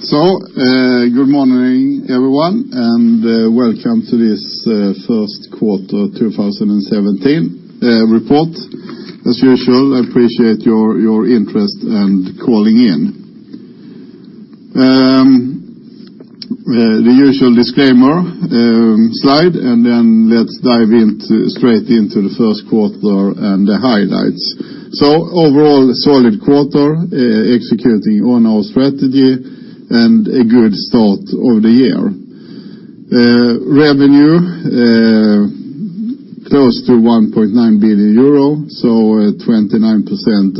Good morning, everyone. Welcome to this first quarter 2017 report. As usual, I appreciate your interest in calling in. The usual disclaimer slide. Let's dive straight into the first quarter and the highlights. Overall, a solid quarter executing on our strategy and a good start of the year. Revenue close to 1.9 billion euro, 29%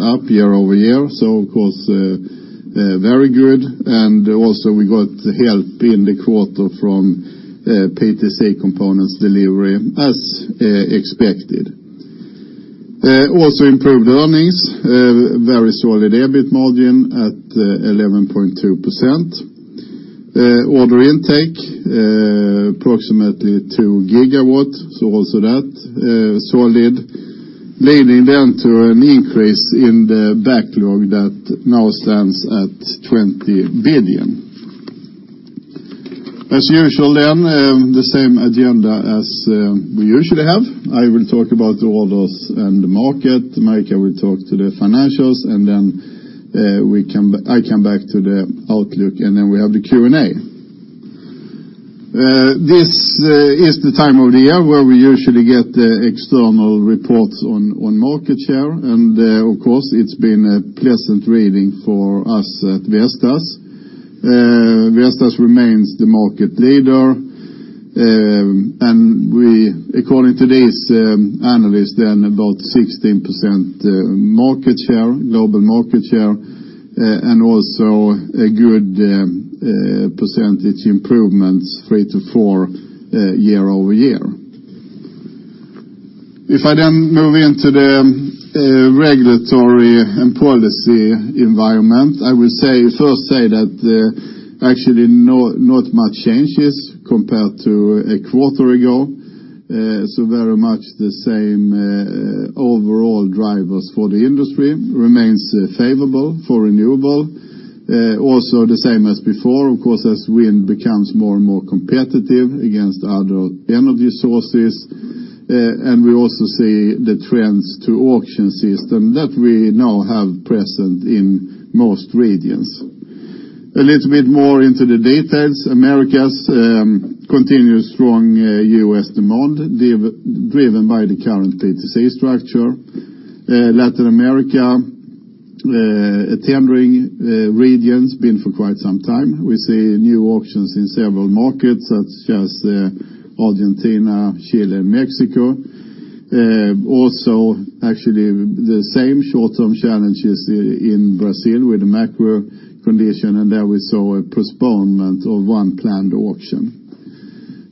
up year-over-year. Of course, very good. Also we got help in the quarter from PTC Components delivery as expected. Also improved earnings, a very solid EBIT margin at 11.2%. Order intake, approximately 2 gigawatts. Also that, solid, leading to an increase in the backlog that now stands at 20 billion. As usual, the same agenda as we usually have. I will talk about the orders and the market. Marika will talk to the financials. I come back to the outlook, and then we have the Q&A. This is the time of the year where we usually get the external reports on market share, and of course, it's been a pleasant reading for us at Vestas. Vestas remains the market leader. According to these analysts, about 16% global market share and also a good percentage improvements 3%-4% year-over-year. If I move into the regulatory and policy environment, I will first say that actually not much changes compared to a quarter ago. Very much the same overall drivers for the industry remains favorable for renewable. Also the same as before, of course, as wind becomes more and more competitive against other energy sources. We also see the trends to auction system that we now have present in most regions. A little bit more into the details. Americas, continued strong U.S. demand, driven by the current PTC structure. Latin America, tendering regions, been for quite some time. We see new auctions in several markets, such as Argentina, Chile, and Mexico. Also, actually the same short-term challenges in Brazil with the macro condition, and there we saw a postponement of one planned auction.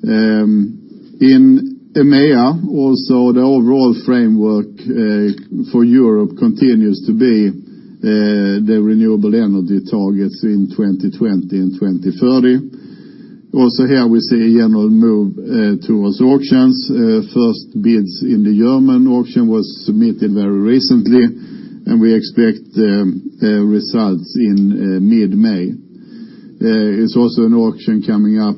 In EMEA, the overall framework for Europe continues to be the renewable energy targets in 2020 and 2030. Here we see a general move towards auctions. First bids in the German auction was submitted very recently, and we expect results in mid-May. It's also an auction coming up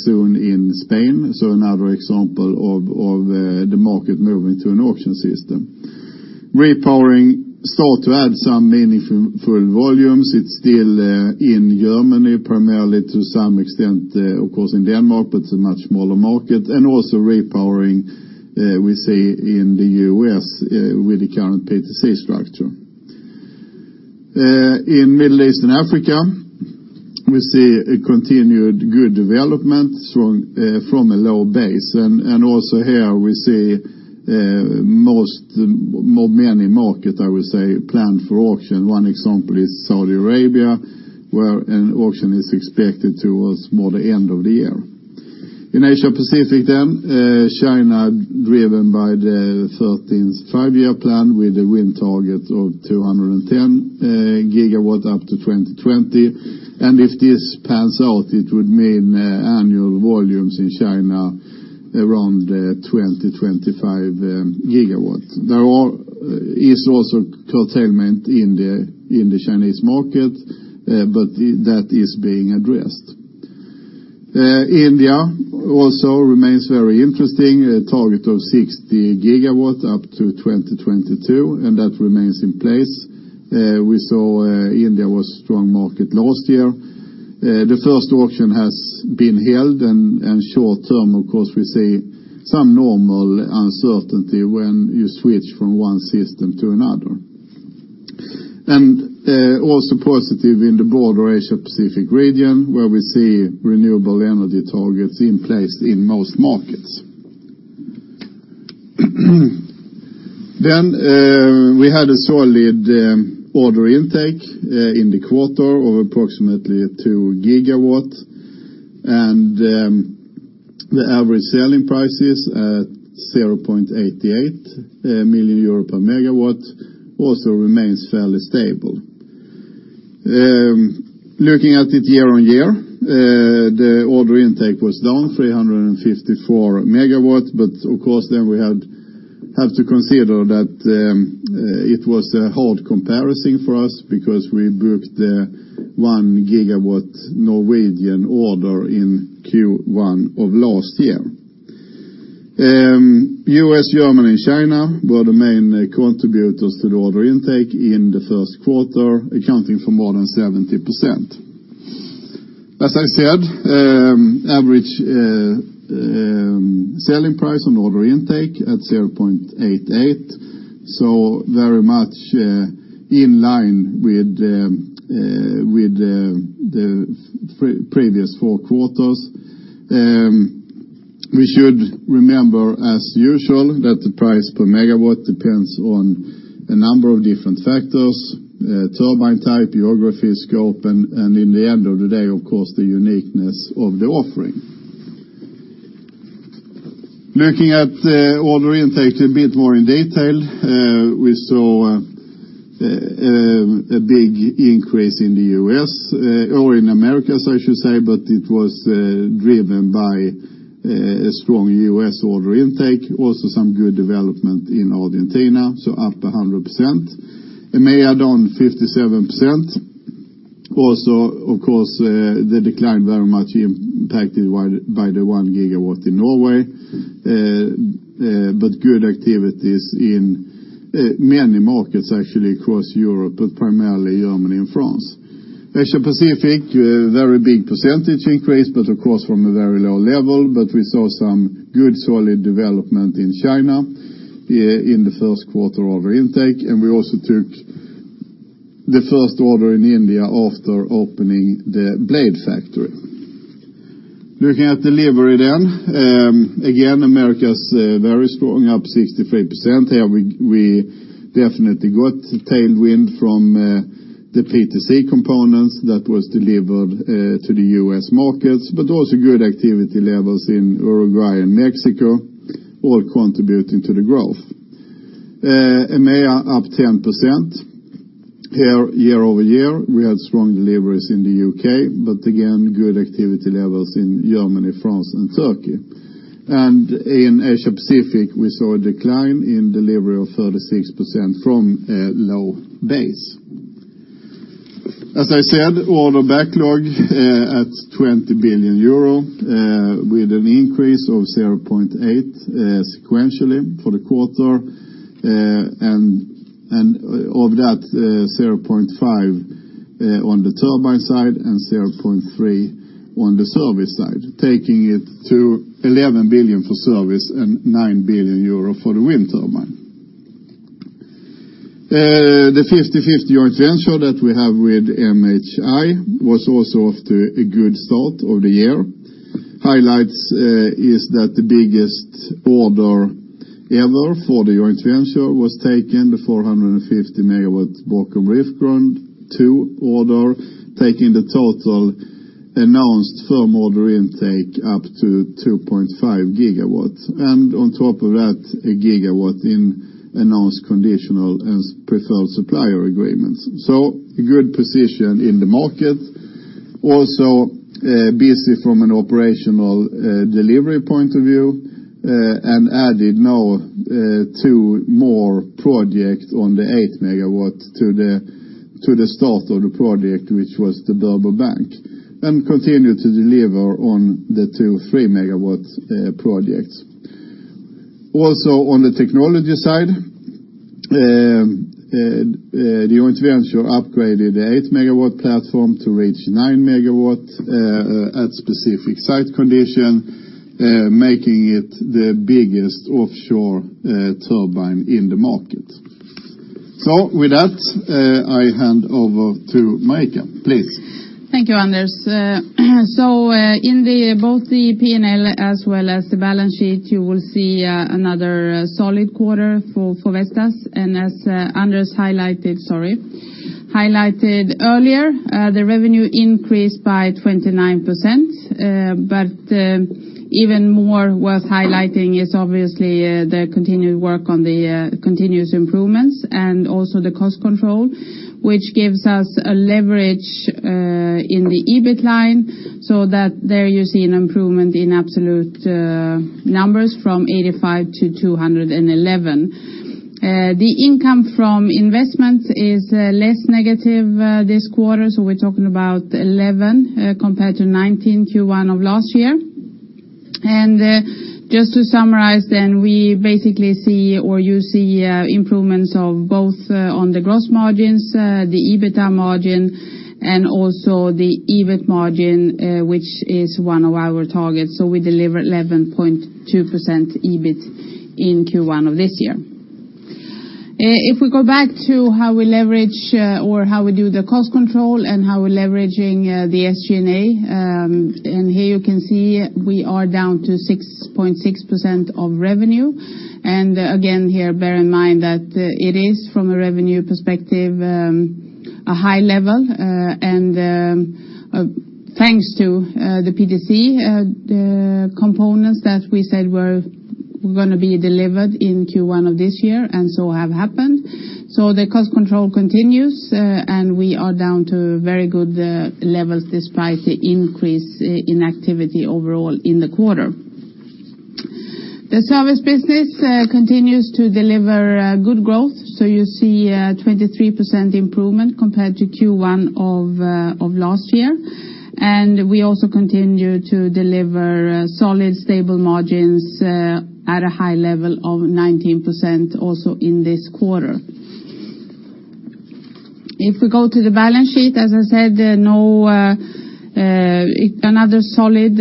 soon in Spain. Another example of the market moving to an auction system. Repowering start to add some meaningful volumes. It's still in Germany, primarily to some extent, of course in Denmark, but it's a much smaller market. Also repowering, we see in the U.S. with the current PTC structure. In Middle East and Africa, we see a continued good development from a low base. Also here we see many markets, I would say, planned for auction. One example is Saudi Arabia, where an auction is expected towards more the end of the year. In Asia Pacific, China driven by the 13th Five-Year Plan with a wind target of 210 gigawatts up to 2020. If this pans out, it would mean annual volumes in China around 20-25 gigawatts. There is also curtailment in the Chinese market, but that is being addressed. India also remains very interesting, a target of 60 gigawatts up to 2022, and that remains in place. We saw India was a strong market last year. The first auction has been held. Short term, of course, we see some normal uncertainty when you switch from one system to another. Positive in the broader Asia-Pacific region, where we see renewable energy targets in place in most markets. We had a solid order intake in the quarter of approximately 2 gigawatts. The average selling prices at 0.88 million euro per megawatt also remains fairly stable. Looking at it year-over-year, the order intake was down 354 MW, but of course, we had to consider that it was a hard comparison for us because we booked the 1 gigawatt Norwegian order in Q1 2017. U.S., Germany, and China were the main contributors to the order intake in the first quarter, accounting for more than 70%. As I said, average selling price on order intake at 0.88. Very much in line with the previous four quarters. We should remember, as usual, that the price per megawatt depends on a number of different factors, turbine type, geography, scope, and in the end of the day, of course, the uniqueness of the offering. Looking at the order intake a bit more in detail, we saw a big increase in the U.S., or in Americas I should say, but it was driven by a strong U.S. order intake, also some good development in Argentina, up 100%. EMEA down 57%. Of course, the decline very much impacted by the 1 gigawatt in Norway. Good activities in many markets, actually, across Europe, primarily Germany and France. Asia-Pacific, very big percentage increase, of course, from a very low level, we saw some good solid development in China in the first quarter order intake, we also took the first order in India after opening the blade factory. Looking at delivery. Again, Americas, very strong, up 63%. Here, we definitely got tailwind from the PTC components that was delivered to the U.S. markets, also good activity levels in Uruguay and Mexico, all contributing to the growth. EMEA up 10%. Here, year-over-year, we had strong deliveries in the U.K., again, good activity levels in Germany, France, and Turkey. In Asia-Pacific, we saw a decline in delivery of 36% from a low base. As I said, order backlog at 20 billion euro, with an increase of 0.8 billion sequentially for the quarter. Of that, 0.5 billion on the turbine side and 0.3 billion on the service side, taking it to 11 billion for service and 9 billion euro for the wind turbine. The 50/50 joint venture that we have with MHI was off to a good start of the year. Highlights is that the biggest order ever for the joint venture was taken, the 450 MW Borkum Riffgrund 2 order, taking the total announced firm order intake up to 2.5 GW. On top of that, 1 gigawatt in announced conditional and preferred supplier agreements. A good position in the market. Busy from an operational delivery point of view, added now 2 more projects on the 8 MW to the start of the project, which was the Burbo Bank, and continue to deliver on the 2 three MW projects. On the technology side, the joint venture upgraded the 8 MW platform to reach 9 MW at specific site condition, making it the biggest offshore turbine in the market. With that, I hand over to Marika. Please. Thank you, Anders. In both the P&L as well as the balance sheet, you will see another solid quarter for Vestas. As Anders highlighted earlier, the revenue increased by 29%, but even more worth highlighting is obviously the continued work on the continuous improvements and also the cost control, which gives us a leverage in the EBIT line, that there you see an improvement in absolute numbers from 85 to 211. The income from investments is less negative this quarter, we're talking about 11 compared to 19 Q1 of last year. To summarize then, we basically see, or you see improvements of both on the gross margins, the EBITDA margin, and also the EBIT margin, which is one of our targets. We delivered 11.2% EBIT in Q1 of this year. If we go back to how we leverage or how we do the cost control and how we're leveraging the SG&A, here you can see we are down to 6.6% of revenue. Again, here, bear in mind that it is, from a revenue perspective, a high level. Thanks to the PTC components that we said were going to be delivered in Q1 of this year, and so have happened. The cost control continues, we are down to very good levels despite the increase in activity overall in the quarter. The service business continues to deliver good growth. You see a 23% improvement compared to Q1 of last year. We also continue to deliver solid, stable margins at a high level of 19% also in this quarter. If we go to the balance sheet, as I said, another solid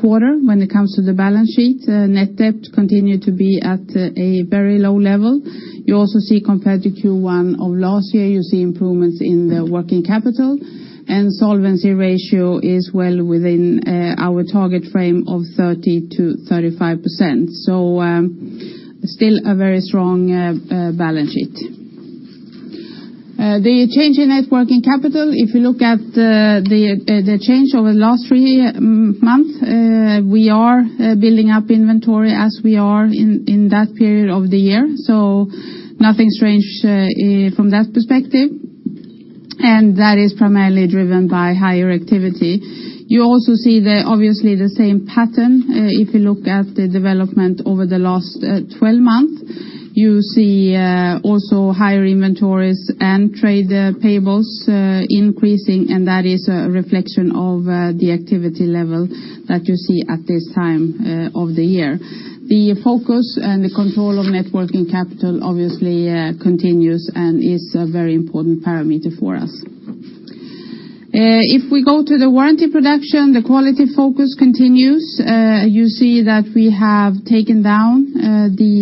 quarter when it comes to the balance sheet. Net debt continued to be at a very low level. You also see compared to Q1 of last year, you see improvements in the working capital, and solvency ratio is well within our target frame of 30%-35%. Still a very strong balance sheet. The change in net working capital, if you look at the change over the last 3 months, we are building up inventory as we are in that period of the year. Nothing strange from that perspective. That is primarily driven by higher activity. You also see obviously the same pattern if you look at the development over the last 12 months. You see also higher inventories and trade payables increasing, that is a reflection of the activity level that you see at this time of the year. The focus and the control of net working capital obviously continues and is a very important parameter for us. If we go to the warranty production, the quality focus continues. You see that we have taken down the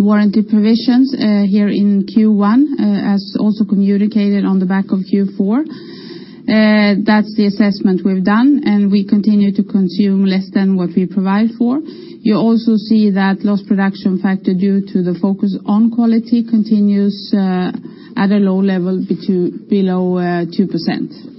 warranty provisions here in Q1 as also communicated on the back of Q4. That's the assessment we've done, and we continue to consume less than what we provide for. You also see that loss production factor due to the focus on quality continues at a low level below 2%.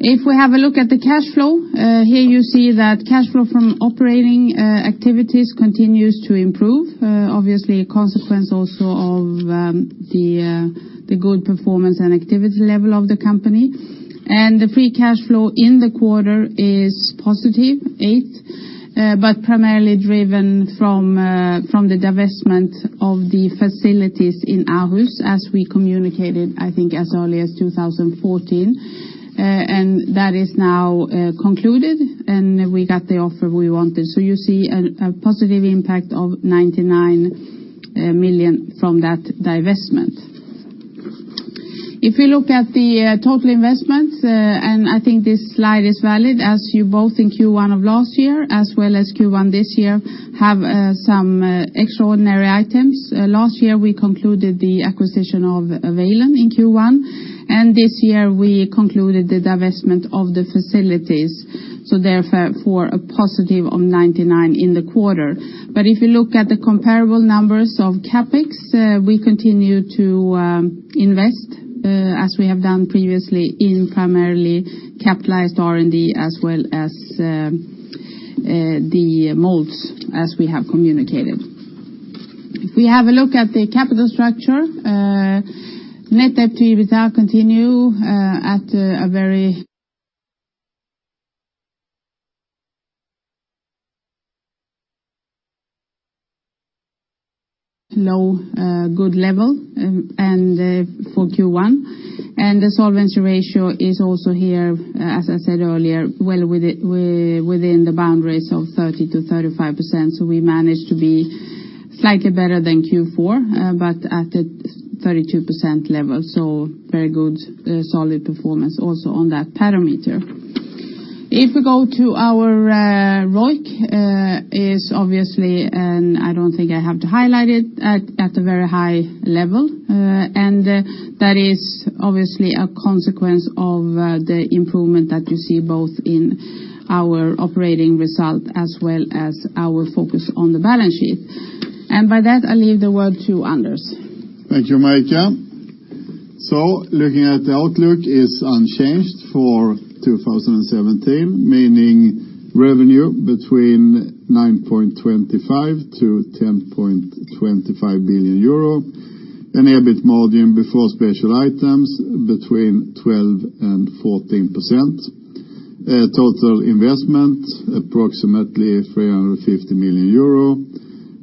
If we have a look at the cash flow, here you see that cash flow from operating activities continues to improve. Obviously, a consequence also of the good performance and activity level of the company. The free cash flow in the quarter is positive 8, but primarily driven from the divestment of the facilities in Aarhus, as we communicated, I think as early as 2014. That is now concluded, and we got the offer we wanted. You see a positive impact of 99 million from that divestment. If we look at the total investment, and I think this slide is valid, as you both in Q1 of last year, as well as Q1 this year, have some extraordinary items. Last year, we concluded the acquisition of Availon in Q1, and this year we concluded the divestment of the facilities. Therefore, a positive of 99 million in the quarter. But if you look at the comparable numbers of CapEx, we continue to invest, as we have done previously, in primarily capitalized R&D as well as the molds as we have communicated. If we have a look at the capital structure, net debt to EBITDA continue at a very low, good level for Q1. The solvency ratio is also here, as I said earlier, well within the boundaries of 30%-35%. We managed to be slightly better than Q4, but at a 32% level. Very good, solid performance also on that parameter. If we go to our ROIC, is obviously, and I don't think I have to highlight it, at a very high level. That is obviously a consequence of the improvement that you see both in our operating result as well as our focus on the balance sheet. By that, I leave the word to Anders. Thank you, Marika. Looking at the outlook is unchanged for 2017, meaning revenue between 9.25 billion-10.25 billion euro, an EBIT margin before special items between 12%-14%, total investment approximately 350 million euro,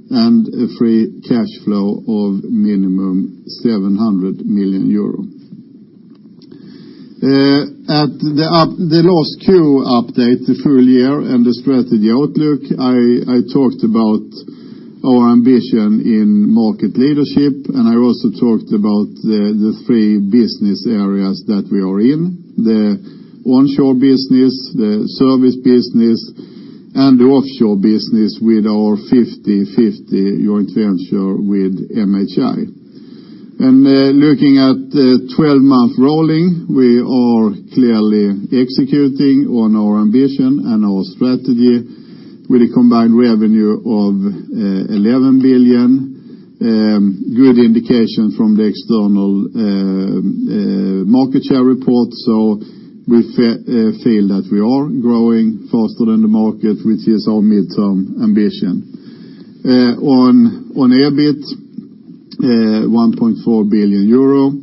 and a free cash flow of minimum 700 million euro. At the last Q update, the full year and the strategy outlook, I talked about our ambition in market leadership, and I also talked about the three business areas that we are in, the onshore business, the service business, and the offshore business with our 50/50 joint venture with MHI. Looking at the 12-month rolling, we are clearly executing on our ambition and our strategy with a combined revenue of 11 billion. Good indication from the external market share report. We feel that we are growing faster than the market, which is our midterm ambition. On EBIT, 1.4 billion euro.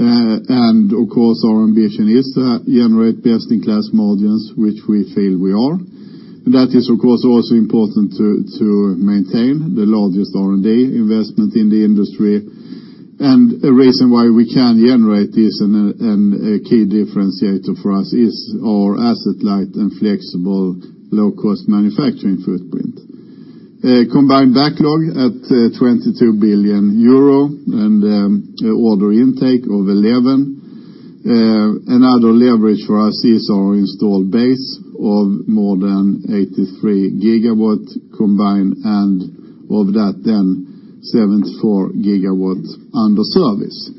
Our ambition is to generate best-in-class margins, which we feel we are. That is, of course, also important to maintain the largest R&D investment in the industry. A reason why we can generate this and a key differentiator for us is our asset-light and flexible low-cost manufacturing footprint. Combined backlog at 22 billion euro and order intake of 11 billion. Another leverage for us is our installed base of more than 83 GW combined and of that then 74 GW under service.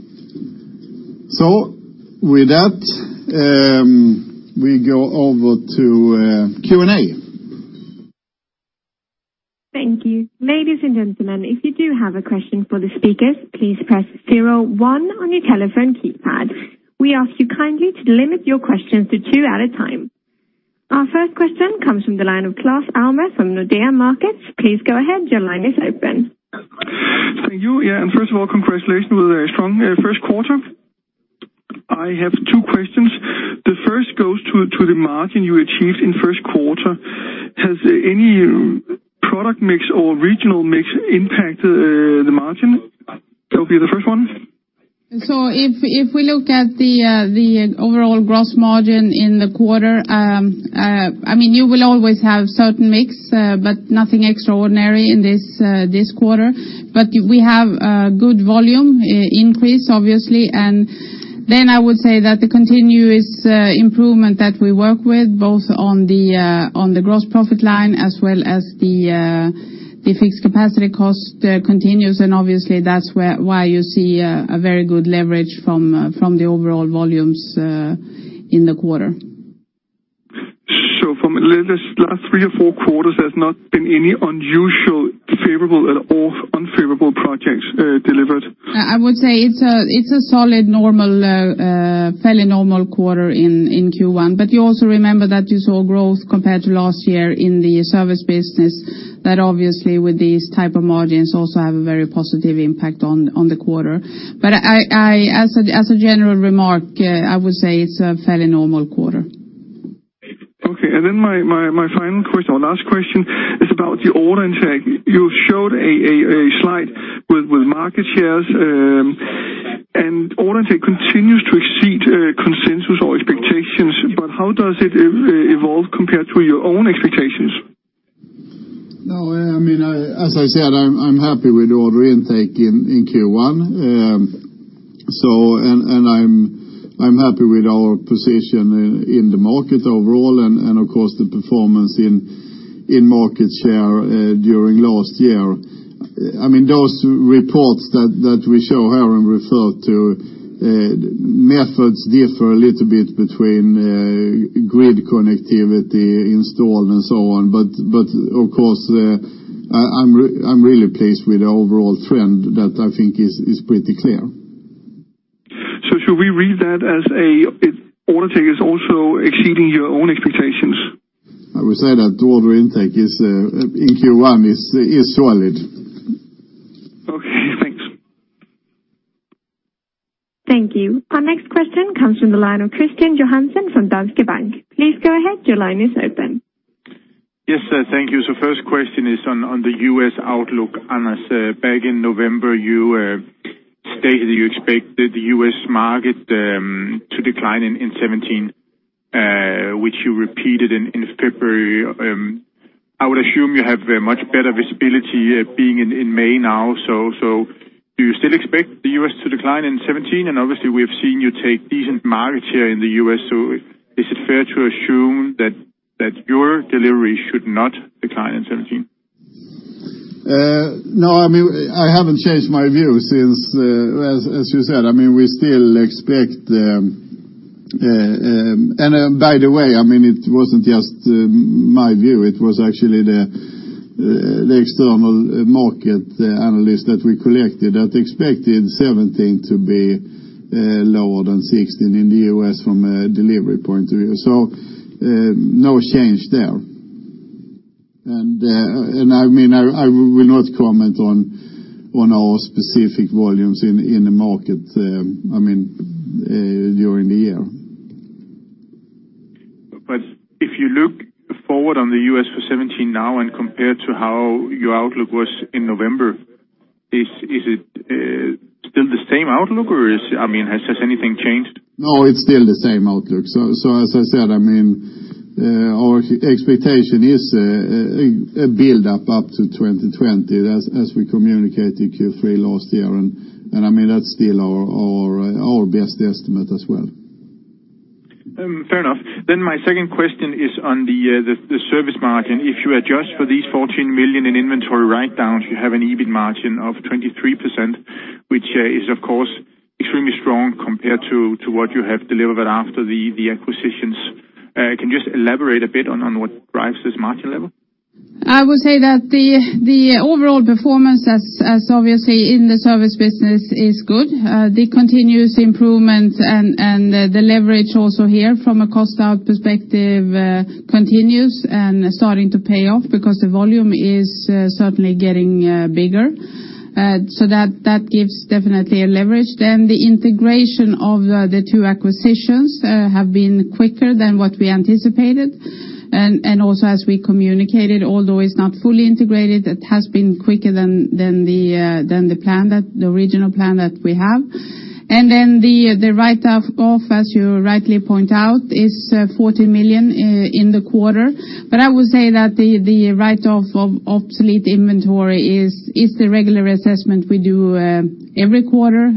With that, we go over to Q&A. Thank you. Ladies and gentlemen, if you do have a question for the speakers, please press 01 on your telephone keypad. We ask you kindly to limit your questions to two at a time. Our first question comes from the line of Claus Almer from Nordea Markets. Please go ahead. Your line is open. Thank you. First of all, congratulations with a strong first quarter. I have two questions. The first goes to the margin you achieved in the first quarter. Has any product mix or regional mix impacted the margin? That would be the first one. If we look at the overall gross margin in the quarter, you will always have a certain mix, nothing extraordinary in this quarter. We have a good volume increase, obviously. Then I would say that the continuous improvement that we work with, both on the gross profit line as well as the fixed capacity cost continues, and obviously, that's why you see a very good leverage from the overall volumes in the quarter. From the last three or four quarters, there's not been any unusual, favorable or unfavorable projects delivered? I would say it's a solid, fairly normal quarter in Q1. You also remember that you saw growth compared to last year in the service business that obviously with these type of margins also have a very positive impact on the quarter. As a general remark, I would say it's a fairly normal quarter. Okay. Then my final question or last question is about your order intake. You showed a slide with market shares, and order intake continues to exceed consensus or expectations, but how does it evolve compared to your own expectations? No, as I said, I'm happy with the order intake in Q1. I'm happy with our position in the market overall and of course the performance in market share during last year. Those reports that we show here and refer to, methods differ a little bit between grid connectivity, installed, and so on. Of course, I'm really pleased with the overall trend that I think is pretty clear. Should we read that as order intake is also exceeding your own expectations? I would say that the order intake in Q1 is solid. Okay, thanks. Thank you. Our next question comes from the line of Kristian Johansen from Danske Bank. Please go ahead. Your line is open. Yes, thank you. First question is on the U.S. outlook. Anders, back in November, you stated you expected the U.S. market to decline in 2017, which you repeated in February. I would assume you have much better visibility being in May now. Do you still expect the U.S. to decline in 2017? Obviously, we have seen you take decent market share in the U.S. Is it fair to assume that your delivery should not decline in 2017? No, I haven't changed my view since, as you said, we still expect. By the way, it wasn't just my view, it was actually the external market analyst that we collected that expected 2017 to be lower than 2016 in the U.S. from a delivery point of view. No change there. I will not comment on our specific volumes in the market during the year. If you look forward on the U.S. for 2017 now and compare to how your outlook was in November, is it still the same outlook or has anything changed? No, it's still the same outlook. As I said, our expectation is a build-up to 2020 as we communicated Q3 last year. That's still our best estimate as well. Fair enough. My second question is on the service margin. If you adjust for these EUR 14 million in inventory write-downs, you have an EBIT margin of 23%, which is, of course, extremely strong compared to what you have delivered after the acquisitions. Can you just elaborate a bit on what drives this margin level? I would say that the overall performance, as obviously in the service business, is good. The continuous improvement and the leverage also here from a cost out perspective continues and starting to pay off because the volume is certainly getting bigger. That gives definitely a leverage. The integration of the two acquisitions have been quicker than what we anticipated and also as we communicated, although it's not fully integrated, it has been quicker than the original plan that we have. The write-off, as you rightly point out, is 14 million in the quarter. I would say that the write-off of obsolete inventory is the regular assessment we do every quarter.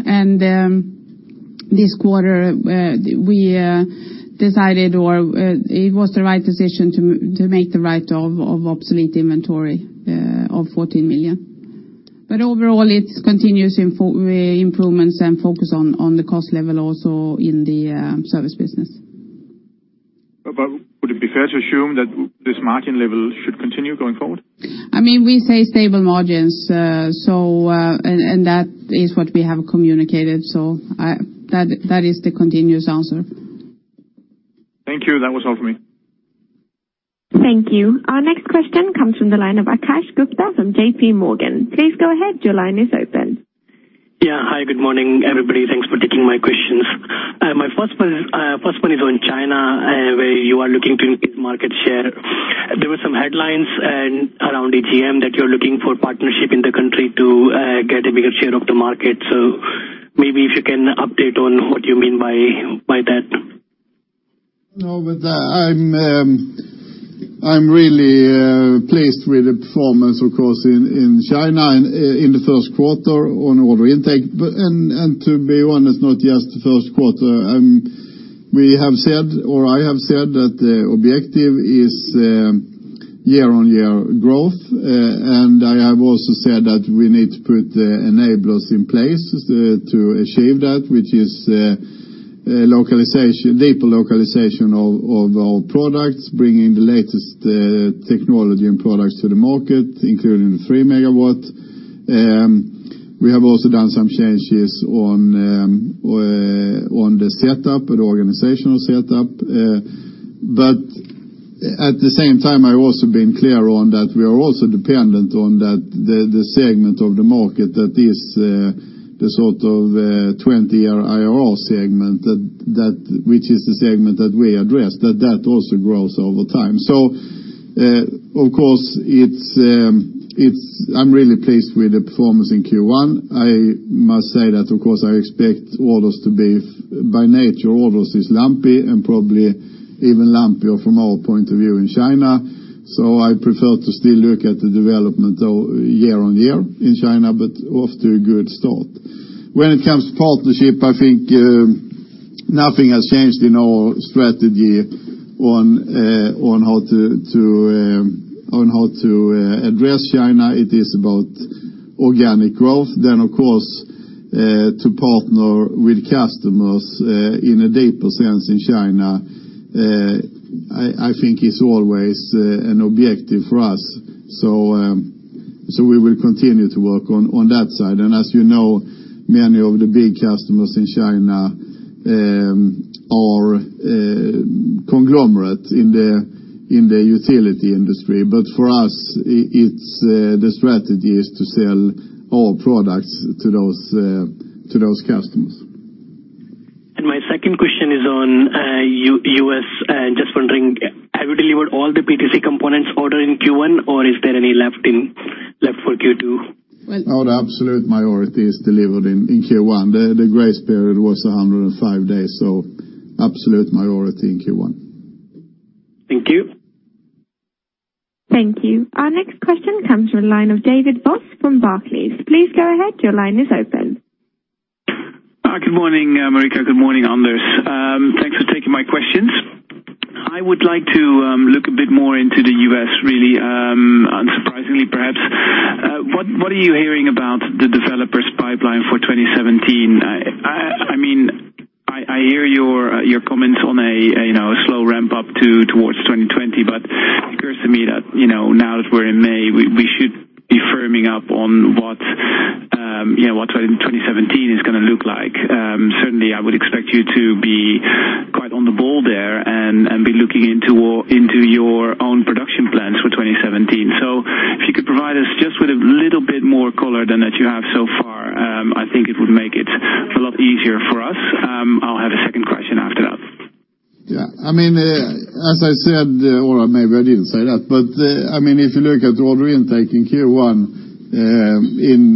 This quarter, it was the right decision to make the write-off of obsolete inventory of 14 million. Overall it's continuous improvements and focus on the cost level also in the service business. Would it be fair to assume that this margin level should continue going forward? We say stable margins, that is what we have communicated. That is the continuous answer. Thank you. That was all for me. Thank you. Our next question comes from the line of Akash Gupta from JPMorgan. Please go ahead. Your line is open. Yeah. Hi, good morning, everybody. Thanks for taking my questions. My first one is on China, where you are looking to increase market share. There were some headlines around AOM that you're looking for partnership in the country to get a bigger share of the market. Maybe if you can update on what you mean by that. No, I'm really pleased with the performance, of course, in China in the first quarter on order intake. To be honest, not just the first quarter. I have said that the objective is year-on-year growth, I have also said that we need to put enablers in place to achieve that, which is deeper localization of our products, bringing the latest technology and products to the market, including the three megawatt. We have also done some changes on the organizational setup. At the same time, I've also been clear on that we are also dependent on the segment of the market that is the sort of 20-year IRR segment, which is the segment that we address, that that also grows over time. Of course, I'm really pleased with the performance in Q1. I must say that, of course, I expect orders to be, by nature, orders is lumpy and probably even lumpier from our point of view in China. I prefer to still look at the development of year-over-year in China, but off to a good start. When it comes to partnership, I think nothing has changed in our strategy on how to address China. It is about organic growth. Of course, to partner with customers in a deeper sense in China, I think is always an objective for us. We will continue to work on that side. As you know, many of the big customers in China are a conglomerate in the utility industry. For us, the strategy is to sell our products to those customers. My second question is on U.S. Just wondering, have you delivered all the PTC components ordered in Q1, or is there any left for Q2? No, the absolute minority is delivered in Q1. The grace period was 105 days, absolute minority in Q1. Thank you. Thank you. Our next question comes from the line of David Vos from Barclays. Please go ahead. Your line is open. Good morning, Marika. Good morning, Anders. Thanks for taking my questions. I would like to look a bit more into the U.S., really, unsurprisingly perhaps. What are you hearing about the developers pipeline for 2017? I hear your comments on a slow ramp up towards 2020, but it occurs to me that, now that we're in May, we should be firming up on what 2017 is going to look like. Certainly, I would expect you to be quite on the ball there and be looking into your own production plans for 2017. If you could provide us just with a little bit more color than that you have so far, I think it would make it a lot easier for us. I'll have a second question after that. Yeah. As I said, or maybe I didn't say that, but if you look at the order intake in Q1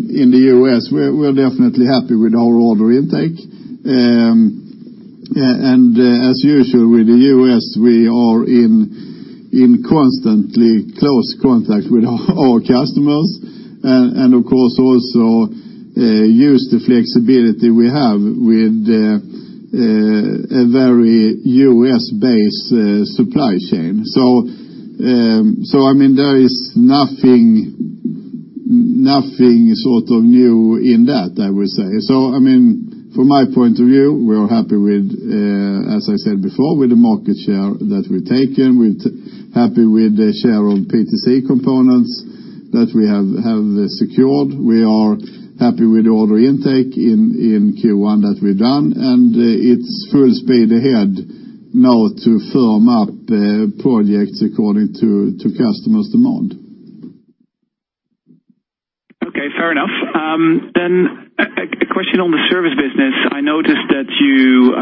in the U.S., we're definitely happy with our order intake. As usual with the U.S., we are in constantly close contact with our customers and of course also use the flexibility we have with a very U.S.-based supply chain. There is nothing new in that, I will say. From my point of view, we are happy with, as I said before, with the market share that we've taken, happy with the share of PTC components that we have secured. We are happy with the order intake in Q1 that we've done, it's full speed ahead now to firm up the projects according to customers' demand. Okay, fair enough. A question on the service business. I noticed that you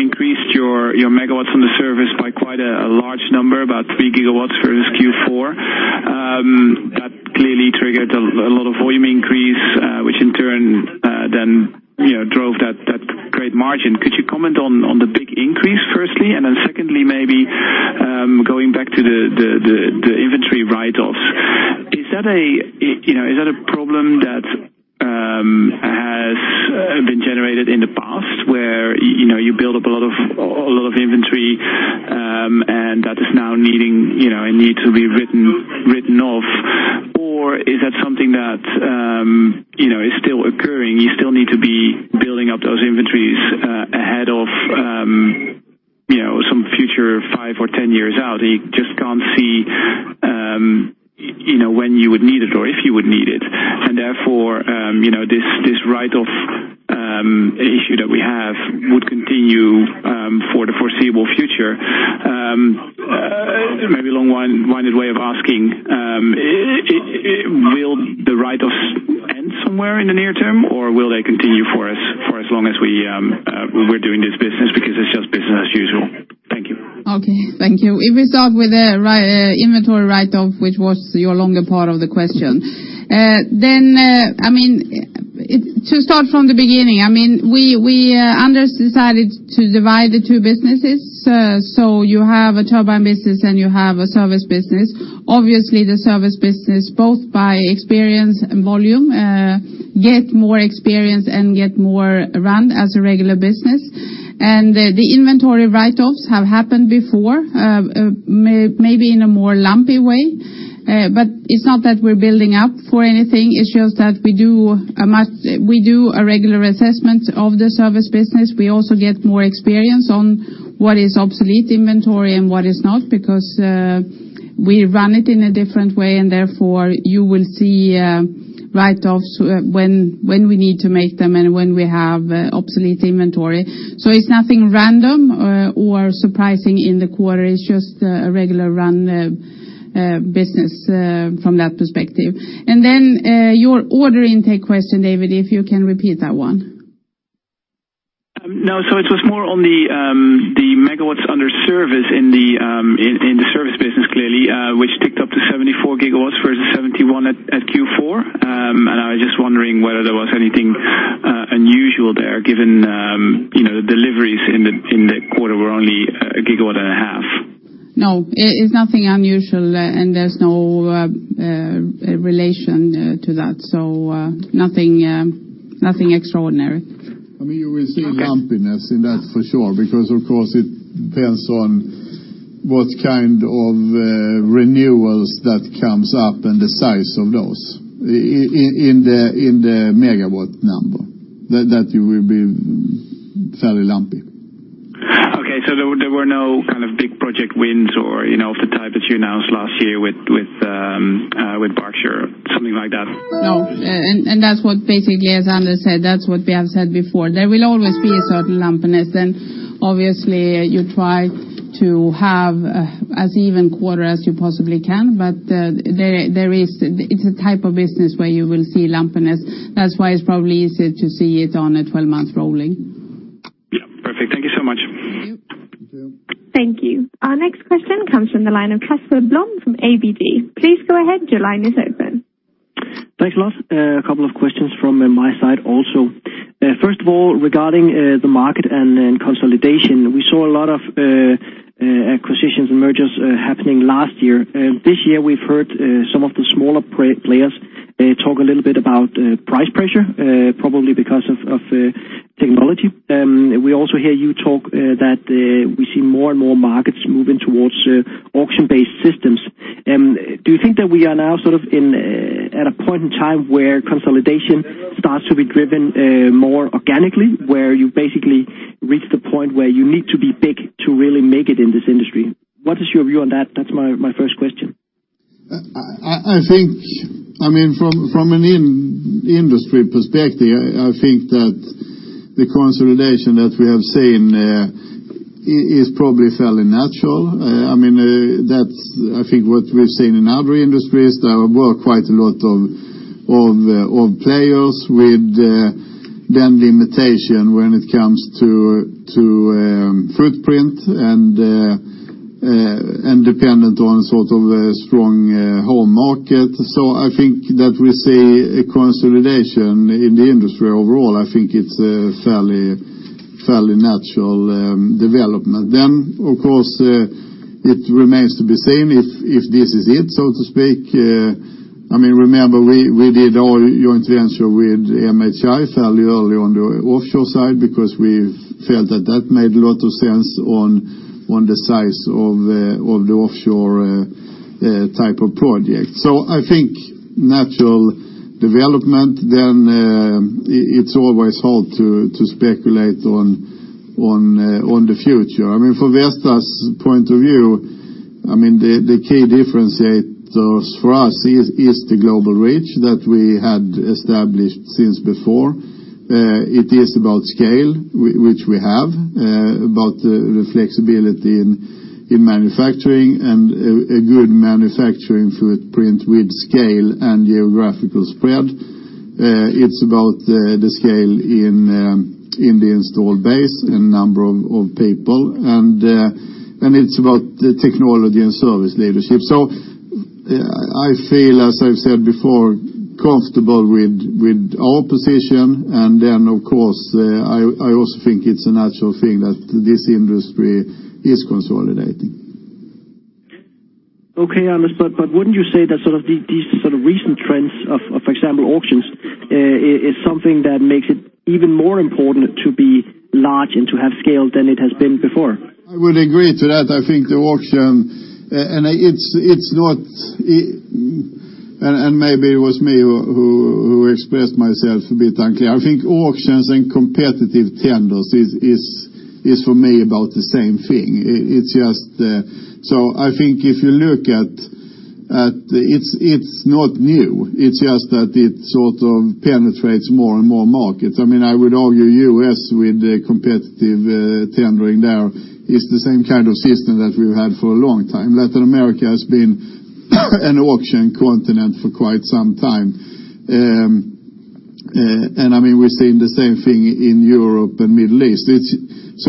increased your megawatts on the service by quite a large number, about three gigawatts versus Q4. That clearly triggered a lot of volume increase, which in turn then drove that great margin. Could you comment on the big increase, firstly? Secondly, maybe going back to the inventory write-offs, is that a problem that has been generated in the past where you build up a lot of inventory, and that is now needing to be written off? Or is that something that is still occurring, you still need to be building up those inventories ahead of some future five or 10 years out, you just can't see when you would need it or if you would need it, therefore, this write-off issue that we have would continue for the foreseeable future? Maybe a long-winded way of asking, will the write-offs end somewhere in the near term, or will they continue for as long as we're doing this business because it's just business as usual? Thank you. Okay, thank you. If we start with the inventory write-off, which was your longer part of the question. To start from the beginning, Anders decided to divide the two businesses. You have a turbine business and you have a service business. Obviously, the service business, both by experience and volume, get more experience and get more run as a regular business. The inventory write-offs have happened before, maybe in a more lumpy way. It's not that we're building up for anything, it's just that we do a regular assessment of the service business. We also get more experience on what is obsolete inventory and what is not, because we run it in a different way, and therefore, you will see write-offs when we need to make them and when we have obsolete inventory. It's nothing random or surprising in the quarter. It's just a regular run business from that perspective. Your order intake question, David, if you can repeat that one. No, it was more on the megawatts under service in the service business, clearly, which ticked up to 74 gigawatts versus 71 at Q4. I was just wondering whether there was anything unusual there given deliveries in the quarter were only a gigawatt and a half. No, it's nothing unusual, and there's no relation to that. Nothing extraordinary. You will see lumpiness in that for sure, because of course, it depends on what kind of renewals that comes up and the size of those in the megawatt number. That will be fairly lumpy. Okay. There were no kind of big project wins or of the type that you announced last year with Berkshire, something like that? No. That's what basically, as Anders said, that's what we have said before. There will always be a certain lumpiness, and obviously, you try to have as even quarter as you possibly can, but it's a type of business where you will see lumpiness. That's why it's probably easier to see it on a 12 months rolling. Yeah. Perfect. Thank you so much. Thank you. You, too. Thank you. Our next question comes from the line of Casper Blom from ABG. Please go ahead, your line is open. Thanks a lot. A couple of questions from my side also. First of all, regarding the market and consolidation, we saw a lot of acquisitions and mergers happening last year. This year we've heard some of the smaller players talk a little bit about price pressure, probably because of technology. We also hear you talk that we see more and more markets moving towards auction-based systems. Do you think that we are now at a point in time where consolidation starts to be driven more organically, where you basically reach the point where you need to be big to really make it in this industry? What is your view on that? That's my first question. From an industry perspective, I think that the consolidation that we have seen is probably fairly natural. That's I think what we've seen in other industries. There were quite a lot of players with limitation when it comes to footprint and dependent on a strong home market. I think that we see a consolidation in the industry overall. I think it's a fairly natural development. Of course, it remains to be seen if this is it, so to speak. Remember, we did our joint venture with MHI fairly early on the offshore side because we felt that that made a lot of sense on the size of the offshore Type of project. I think natural development, then it's always hard to speculate on the future. I mean, for Vestas' point of view, the key differentiators for us is the global reach that we had established since before. It is about scale, which we have, about the flexibility in manufacturing and a good manufacturing footprint with scale and geographical spread. It's about the scale in the installed base and number of people, and it's about the technology and service leadership. I feel, as I've said before, comfortable with our position. Of course, I also think it's a natural thing that this industry is consolidating. Okay, Anders, wouldn't you say that these recent trends of, for example, auctions, is something that makes it even more important to be large and to have scale than it has been before? I would agree to that. I think the auction, maybe it was me who expressed myself a bit unclear. I think auctions and competitive tenders is for me about the same thing. I think if you look at, it's not new. It's just that it sort of penetrates more and more markets. I would argue U.S. with the competitive tendering there is the same kind of system that we've had for a long time. Latin America has been an auction continent for quite some time. We're seeing the same thing in Europe and Middle East. It's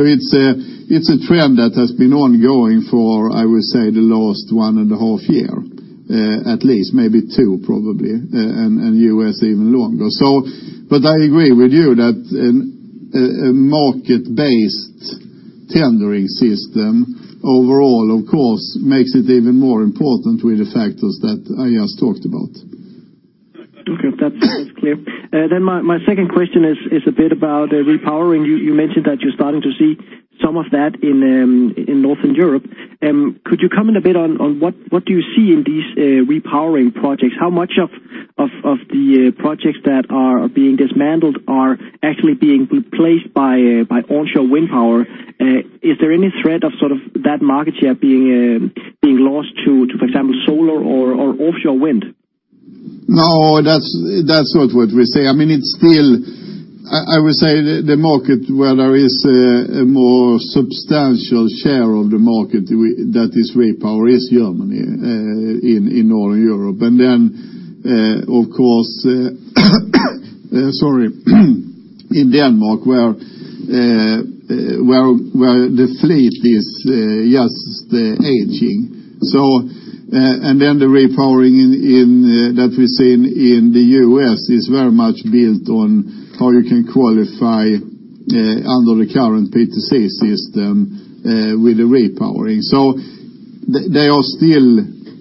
a trend that has been ongoing for, I would say, the last one and a half year, at least, maybe two probably, and U.S. even longer. I agree with you that a market-based tendering system overall, of course, makes it even more important with the factors that I just talked about. Okay. That's clear. My second question is a bit about repowering. You mentioned that you're starting to see some of that in Northern Europe. Could you comment a bit on what do you see in these repowering projects? How much of the projects that are being dismantled are actually being replaced by onshore wind power? Is there any threat of that market share being lost to, for example, solar or offshore wind? No, that's not what we say. I would say the market where there is a more substantial share of the market that is repowered is Germany, in Northern Europe. Of course, sorry, in Denmark, where the fleet is just aging. The repowering that we're seeing in the U.S. is very much built on how you can qualify under the current PTC system with the repowering. They are still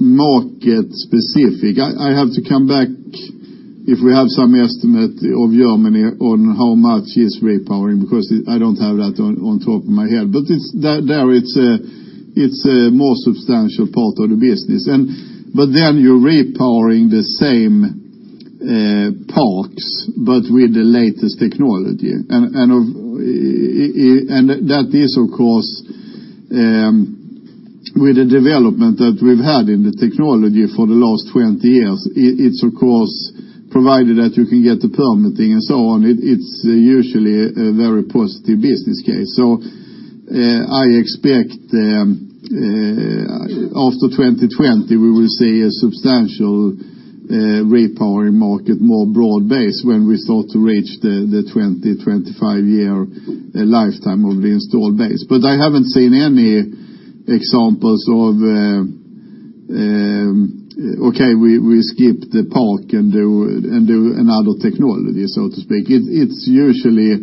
market specific. I have to come back if we have some estimate of Germany on how much is repowering, because I don't have that on top of my head. There, it's a more substantial part of the business. You're repowering the same parks, but with the latest technology. That is, of course, with the development that we've had in the technology for the last 20 years, it's, of course, provided that you can get the permitting and so on, it's usually a very positive business case. I expect after 2020, we will see a substantial repowering market, more broad base when we start to reach the 20, 25-year lifetime of the installed base. I haven't seen any examples of, okay, we skip the park and do another technology, so to speak. It's usually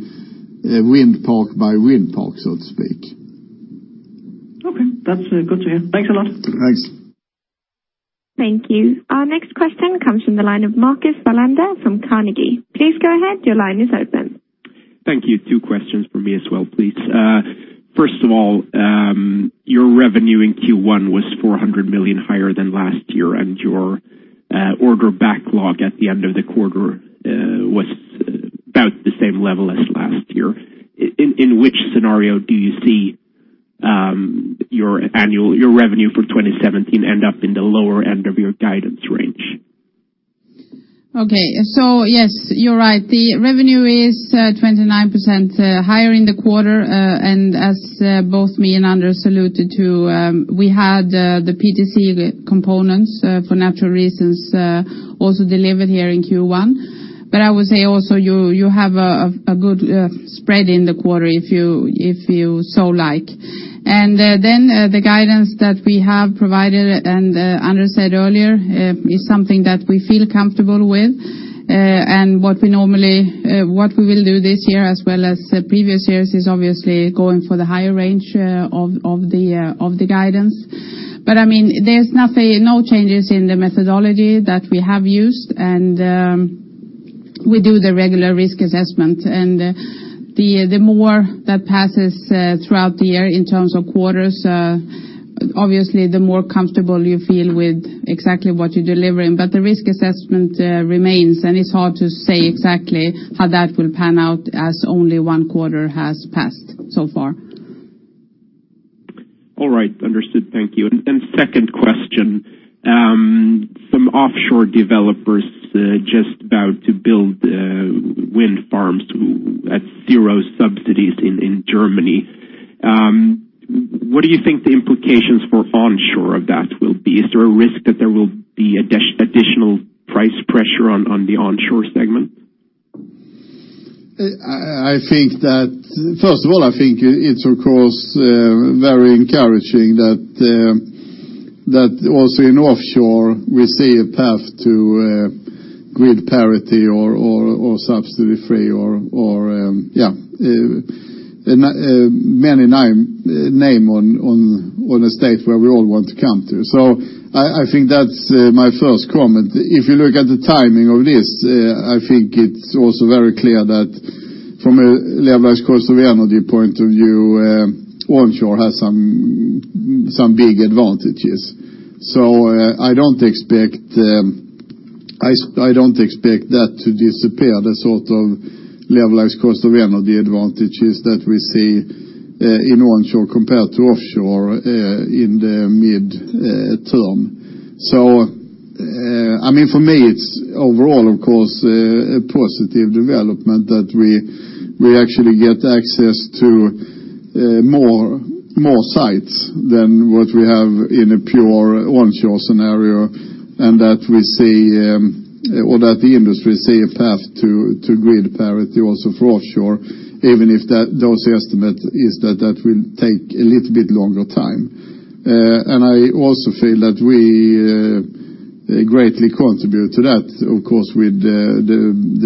a wind park by wind park. Okay. That's good to hear. Thanks a lot. Thanks. Thank you. Our next question comes from the line of Marcus Wallander from Carnegie. Please go ahead. Your line is open. Thank you. Two questions from me as well, please. First of all, your revenue in Q1 was 400 million higher than last year. Your order backlog at the end of the quarter was about the same level as last year. In which scenario do you see your revenue for 2017 end up in the lower end of your guidance range? Okay. Yes, you're right. The revenue is 29% higher in the quarter. As both me and Anders alluded to, we had the PTC components for natural reasons also delivered here in Q1. I would say also, you have a good spread in the quarter if you so like. The guidance that we have provided, and Anders said earlier, is something that we feel comfortable with. What we will do this year as well as previous years is obviously going for the higher range of the guidance. There's no changes in the methodology that we have used. We do the regular risk assessment, and the more that passes throughout the year in terms of quarters, obviously, the more comfortable you feel with exactly what you're delivering. The risk assessment remains, and it's hard to say exactly how that will pan out, as only one quarter has passed so far. All right. Understood. Thank you. Second question, some offshore developers just about to build wind farms at zero subsidies in Germany. What do you think the implications for onshore of that will be? Is there a risk that there will be additional price pressure on the onshore segment? First of all, I think it's, of course, very encouraging that also in offshore, we see a path to grid parity or subsidy free or many name on a state where we all want to come to. I think that's my first comment. If you look at the timing of this, I think it's also very clear that from a levelized cost of energy point of view, onshore has some big advantages. I don't expect that to disappear, the sort of levelized cost of energy advantages that we see in onshore compared to offshore in the midterm. For me, it's overall, of course, a positive development that we actually get access to more sites than what we have in a pure onshore scenario, or that the industry see a path to grid parity also for offshore, even if those estimate is that will take a little bit longer time. I also feel that we greatly contribute to that, of course, with the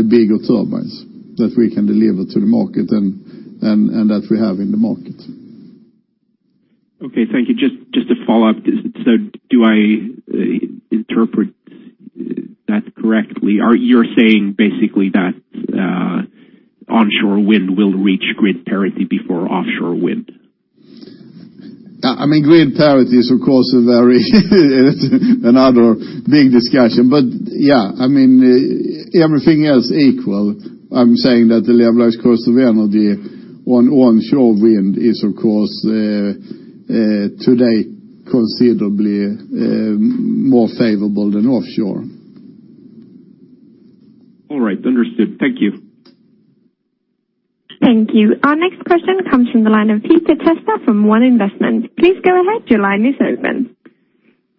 bigger turbines that we can deliver to the market and that we have in the market. Okay, thank you. Just to follow up, do I interpret that correctly? You're saying basically that onshore wind will reach grid parity before offshore wind? Grid parity is, of course, another big discussion. Yeah, everything else equal, I'm saying that the levelized cost of energy on onshore wind is, of course, today considerably more favorable than offshore. All right. Understood. Thank you. Thank you. Our next question comes from the line of Peter Testa from One Investments. Please go ahead. Your line is open.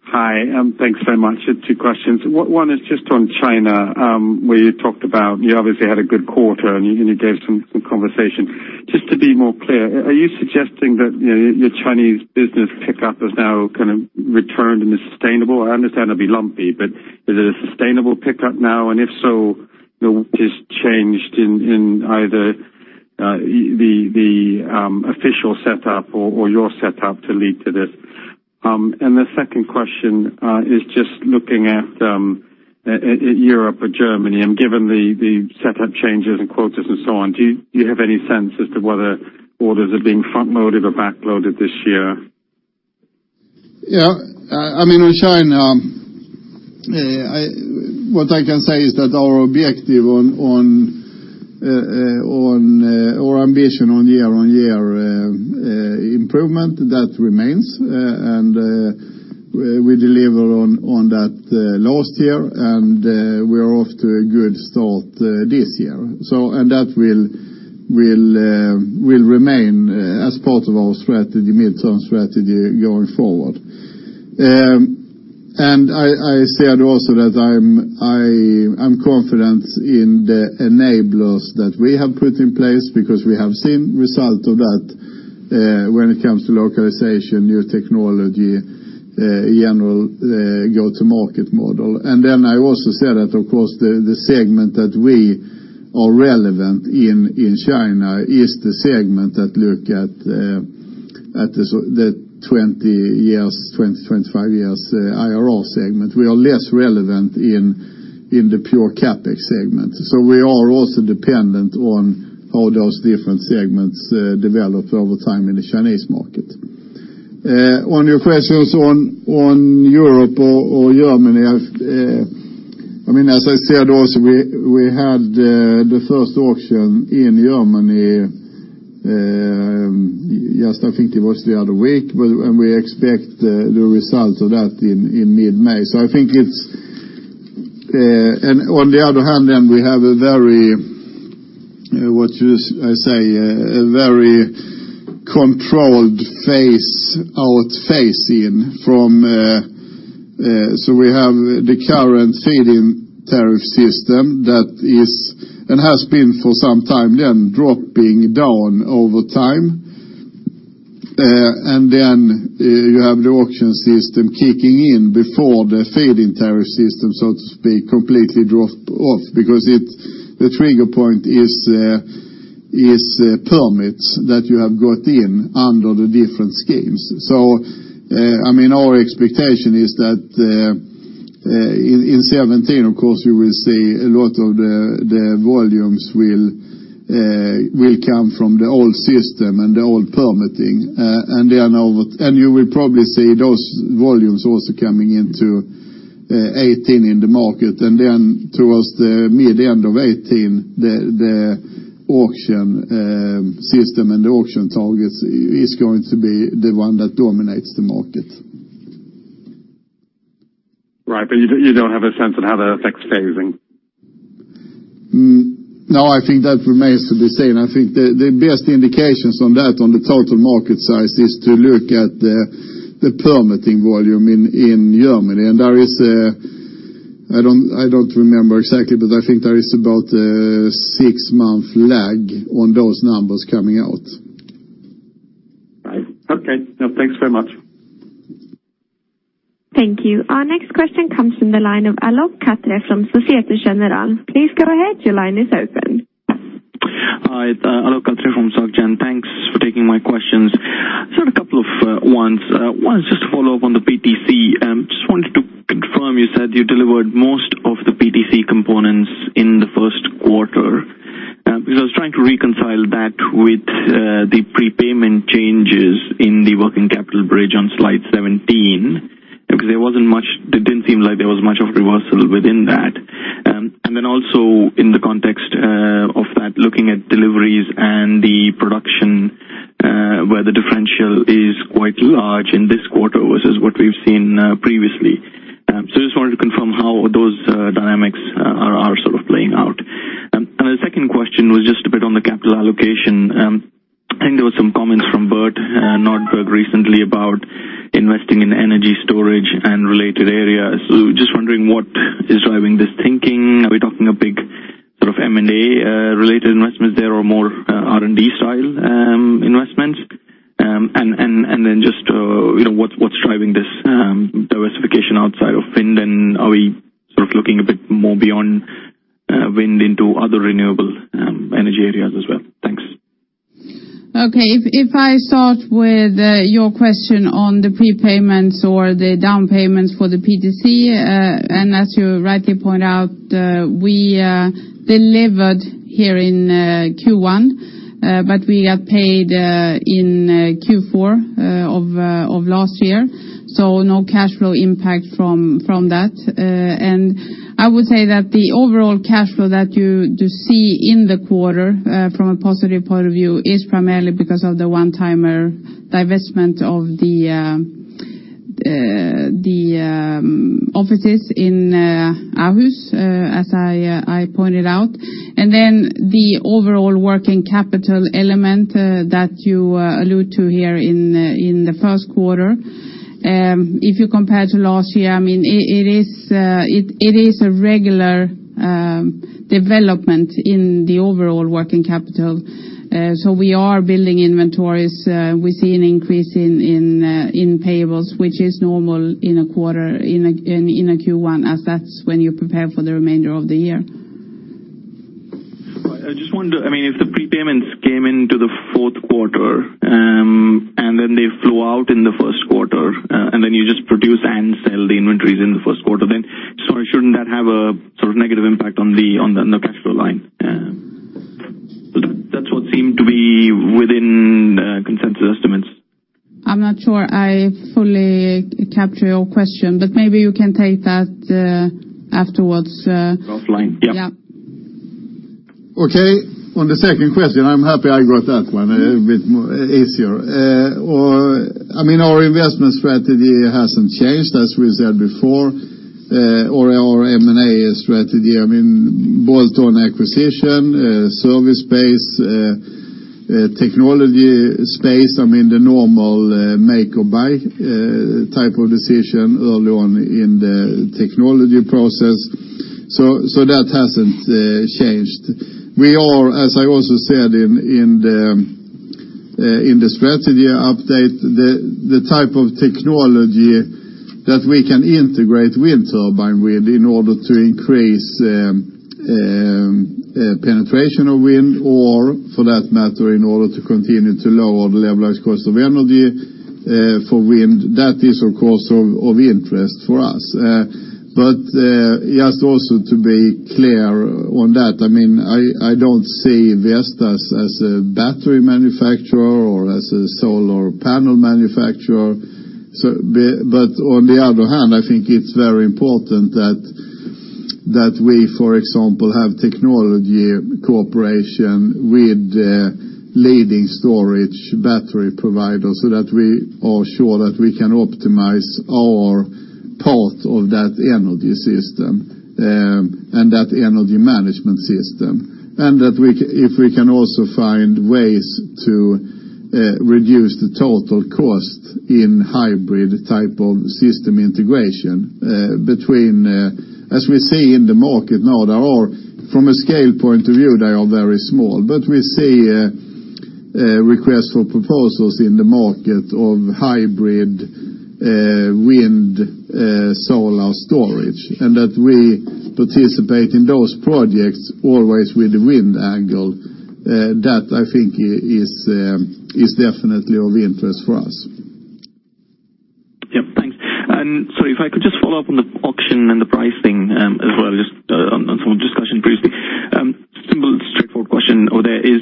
Hi. Thanks so much. Two questions. One is just on China, where you talked about you obviously had a good quarter and you gave some conversation. Just to be more clear, are you suggesting that your Chinese business pickup has now kind of returned and is sustainable? I understand it'll be lumpy, but is it a sustainable pickup now? If so, what has changed in either the official setup or your setup to lead to this? The second question is just looking at Europe or Germany and given the setup changes in quotas and so on, do you have any sense as to whether orders are being front-loaded or back-loaded this year? On China, what I can say is that our objective or ambition on year-on-year improvement, that remains, and we deliver on that last year, and we're off to a good start this year. That will remain as part of our midterm strategy going forward. I said also that I am confident in the enablers that we have put in place because we have seen result of that when it comes to localization, new technology, general go-to-market model. I also said that, of course, the segment that we are relevant in China is the segment that look at the 20 years, 25 years IRR segment. We are less relevant in the pure CapEx segment. We are also dependent on how those different segments develop over time in the Chinese market. On your questions on Europe or Germany, as I said also, we had the first auction in Germany, I think it was the other week, and we expect the results of that in mid-May. On the other hand, we have a very, what you, I say, a very controlled phase out, phase in. We have the current feed-in tariff system that is, and has been for some time then dropping down over time. You have the auction system kicking in before the feed-in tariff system, so to speak, completely drop off because the trigger point is permits that you have got in under the different schemes. Our expectation is that in 2017, of course, we will see a lot of the volumes will come from the old system and the old permitting. You will probably see those volumes also coming into 2018 in the market. Towards the mid-end of 2018, the auction system and the auction targets is going to be the one that dominates the market. Right. You don't have a sense on how that affects phasing? I think that remains to be seen. I think the best indications on that, on the total market size, is to look at the permitting volume in Germany. I don't remember exactly, but I think there is about a six-month lag on those numbers coming out. Right. Okay. Thanks very much. Thank you. Our next question comes from the line of Alok Katre from Societe Generale. Please go ahead. Your line is open. Hi. Alok Katre from Soc Gen. Thanks for taking my questions. A couple of ones. One is just to follow up on the PTC. Just wanted to confirm, you said you delivered most of the PTC components in the first quarter. I was trying to reconcile that with the prepayment changes in the working capital bridge on slide 17, because it didn't seem like there was much of a reversal within that. Also in the context of that, looking at deliveries and the production, where the differential is quite large in this quarter versus what we've seen previously. Just wanted to confirm how those dynamics are sort of playing out. The second question was just a bit on the capital allocation. I think there were some comments from Bert Nordberg recently about investing in energy storage and related areas. Just wondering what is driving this thinking. Are we talking a big sort of M&A-related investments there or more R&D style investments? Just what's driving this diversification outside of wind? Are we sort of looking a bit more beyond wind into other renewable energy areas as well? Thanks. Okay. If I start with your question on the prepayments or the down payments for the PTC. As you rightly point out, we delivered here in Q1 but we got paid in Q4 of last year. No cash flow impact from that. I would say that the overall cash flow that you do see in the quarter, from a positive point of view, is primarily because of the one-timer divestment of the offices in Aarhus, as I pointed out. The overall working capital element that you allude to here in the first quarter, if you compare to last year, it is a regular development in the overall working capital. We are building inventories. We see an increase in payables, which is normal in a Q1, as that's when you prepare for the remainder of the year. If the prepayments came into the fourth quarter, then they flew out in the first quarter, you just produce and sell the inventories in the first quarter, sorry, shouldn't that have a sort of negative impact on the cash flow line? That's what seemed to be within consensus estimates. I'm not sure I fully capture your question, maybe you can take that afterwards. Offline. Yep. Yep. Okay. On the second question, I'm happy I got that one a bit easier. Our investment strategy hasn't changed, as we said before or our M&A strategy, both on acquisition, service space, technology space, the normal make or buy type of decision early on in the technology process. That hasn't changed. We are, as I also said in the strategy update, the type of technology that we can integrate wind turbine with in order to increase penetration of wind or, for that matter, in order to continue to lower the levelized cost of energy for wind, that is of course of interest for us. Just also to be clear on that, I don't see Vestas as a battery manufacturer or as a solar panel manufacturer. I think it's very important that we, for example, have technology cooperation with leading storage battery providers so that we are sure that we can optimize our part of that energy system and that energy management system. If we can also find ways to reduce the total cost in hybrid type of system integration between, as we see in the market now, from a scale point of view, they are very small. We see Requests for proposals in the market of hybrid wind solar storage, and that we participate in those projects always with the wind angle. That, I think, is definitely of interest for us. Yep, thanks. Sorry, if I could just follow up on the auction and the pricing as well, just on some discussion previously. Simple, straightforward question there is,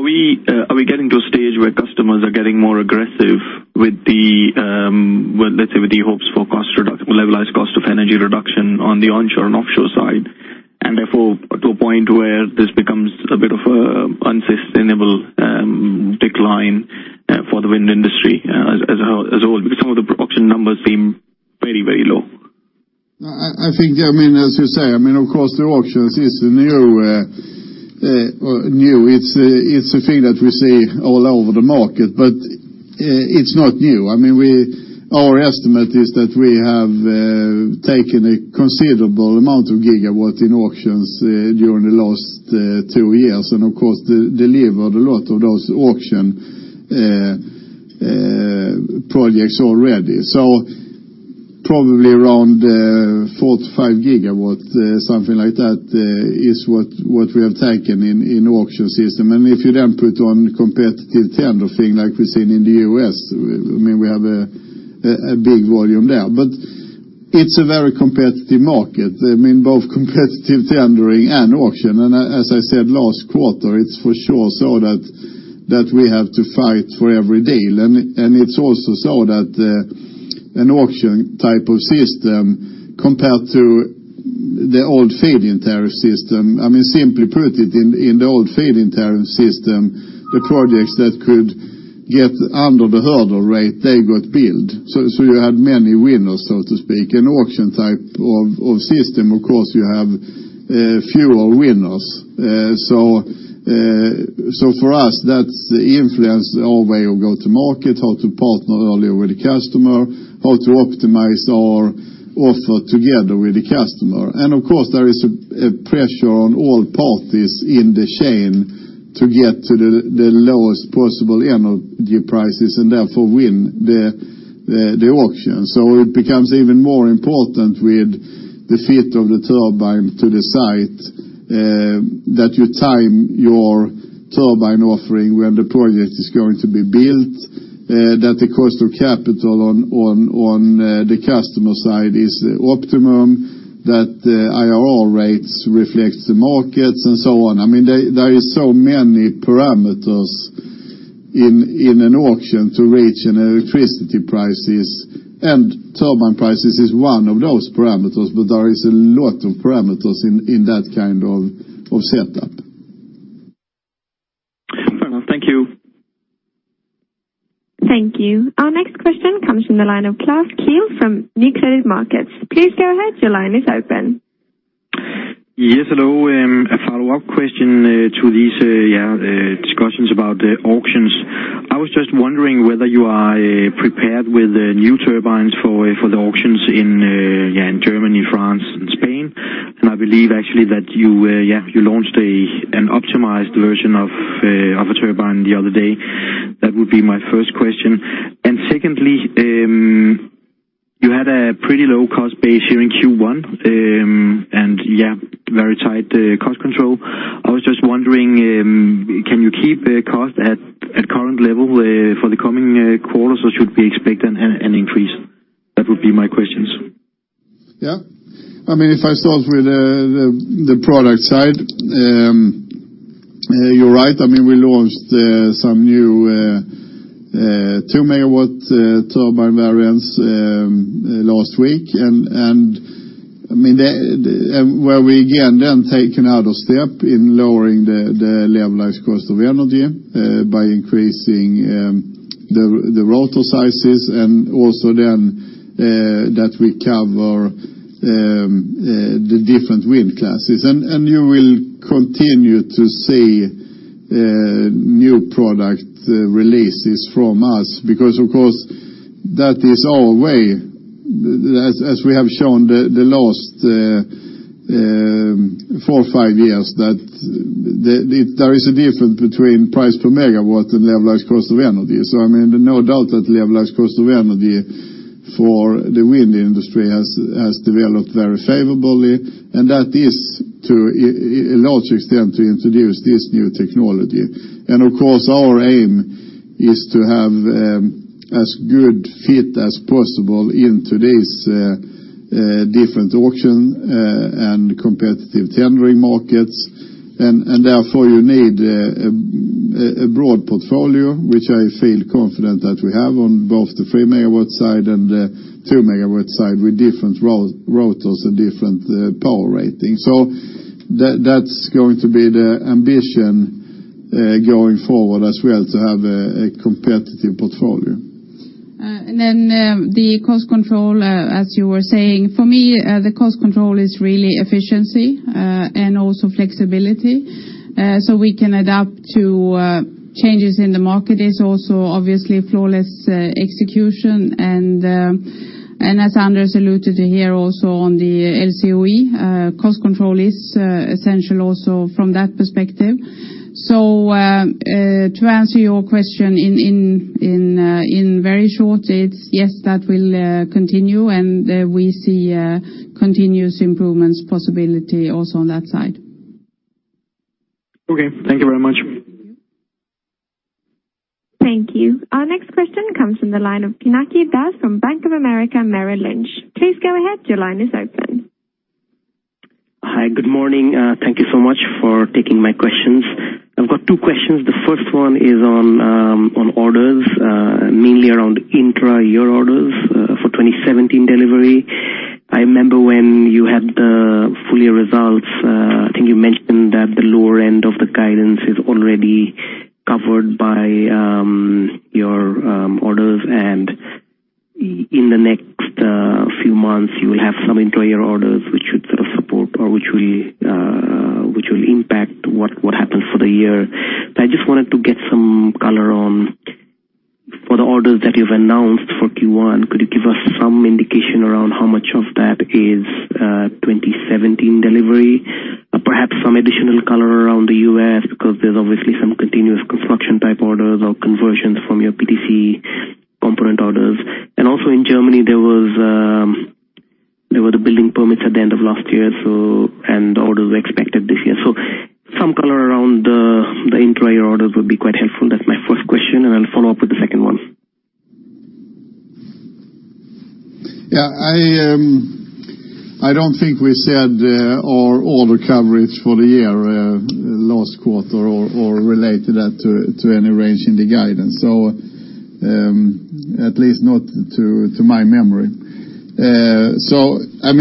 are we getting to a stage where customers are getting more aggressive, let's say, with the hopes for levelized cost of energy reduction on the onshore and offshore side, and therefore to a point where this becomes a bit of a unsustainable decline for the wind industry as well? Some of the auction numbers seem very low. I think, as you say, of course, the auctions is new. It's a thing that we see all over the market, but it's not new. Our estimate is that we have taken a considerable amount of gigawatts in auctions during the last two years, and of course, delivered a lot of those auction projects already. Probably around 45 gigawatts, something like that, is what we have taken in auction system. If you then put on competitive tender thing like we've seen in the U.S., we have a big volume there. It's a very competitive market. Both competitive tendering and auction. As I said last quarter, it's for sure so that we have to fight for every deal. It's also so that an auction type of system compared to the old feed-in tariff system, simply put it, in the old feed-in tariff system, the projects that could get under the hurdle rate, they got billed. You had many winners, so to speak. An auction type of system, of course, you have fewer winners. For us, that's influenced our way of go to market, how to partner earlier with the customer, how to optimize our offer together with the customer. Of course, there is a pressure on all parties in the chain to get to the lowest possible energy prices and therefore win the auction. It becomes even more important with the fit of the turbine to the site, that you time your turbine offering when the project is going to be built, that the cost of capital on the customer side is optimum, that IRR rates reflects the markets, and so on. There are so many parameters in an auction to reach an electricity prices, and turbine prices is one of those parameters, but there is a lot of parameters in that kind of setup. Fair enough. Thank you. Thank you. Our next question comes from the line of Klaus Kehl from Nykredit Markets. Please go ahead, your line is open. Yes, hello. A follow-up question to these discussions about the auctions. I was just wondering whether you are prepared with the new turbines for the auctions in Germany, France, and Spain. I believe actually that you launched an optimized version of a turbine the other day. That would be my first question. Secondly, you had a pretty low cost base here in Q1, and very tight cost control. I was just wondering, can you keep cost at current level for the coming quarters, or should we expect an increase? That would be my questions. Yeah. If I start with the product side. You're right, we launched some new two megawatt turbine variants last week, where we again then take another step in lowering the levelized cost of energy by increasing the rotor sizes and also then that we cover the different wind classes. You will continue to see new product releases from us because, of course, that is our way, as we have shown the last four or five years, that there is a difference between price per megawatt and levelized cost of energy. No doubt that levelized cost of energy for the wind industry has developed very favorably, and that is to a large extent to introduce this new technology. Of course, our aim is to have as good fit as possible into these different auction and competitive tendering markets. Therefore you need a broad portfolio, which I feel confident that we have on both the three megawatt side and the two megawatt side with different rotors and different power ratings. That's going to be the ambition going forward as well, to have a competitive portfolio. Then the cost control, as you were saying, for me, the cost control is really efficiency, and also flexibility, so we can adapt to changes in the market. It's also obviously flawless execution and as Anders alluded here also on the LCOE, cost control is essential also from that perspective. To answer your question in very short, it's yes, that will continue, and we see continuous improvements possibility also on that side. Okay. Thank you very much. Thank you. Our next question comes from the line of Pinaki Das from Bank of America Merrill Lynch. Please go ahead. Your line is open. Hi. Good morning. Thank you so much for taking my questions. I've got two questions. The first one is on orders, mainly around intra-year orders for 2017 delivery. I remember when you had the full year results, I think you mentioned that the lower end of the guidance is already covered by your orders, and in the next few months, you will have some intra-year orders, which should sort of support or which will impact what happens for the year. I just wanted to get some color on for the orders that you've announced for Q1, could you give us some indication around how much of that is 2017 delivery? Or perhaps some additional color around the U.S. because there's obviously some continuous construction type orders or conversions from your PTC component orders. Also in Germany, there were the building permits at the end of last year, and orders were expected this year. Some color around the intra-year orders would be quite helpful. That's my first question, and I'll follow up with the second one. Yeah. I don't think we said our order coverage for the year last quarter or related that to any range in the guidance. At least not to my memory.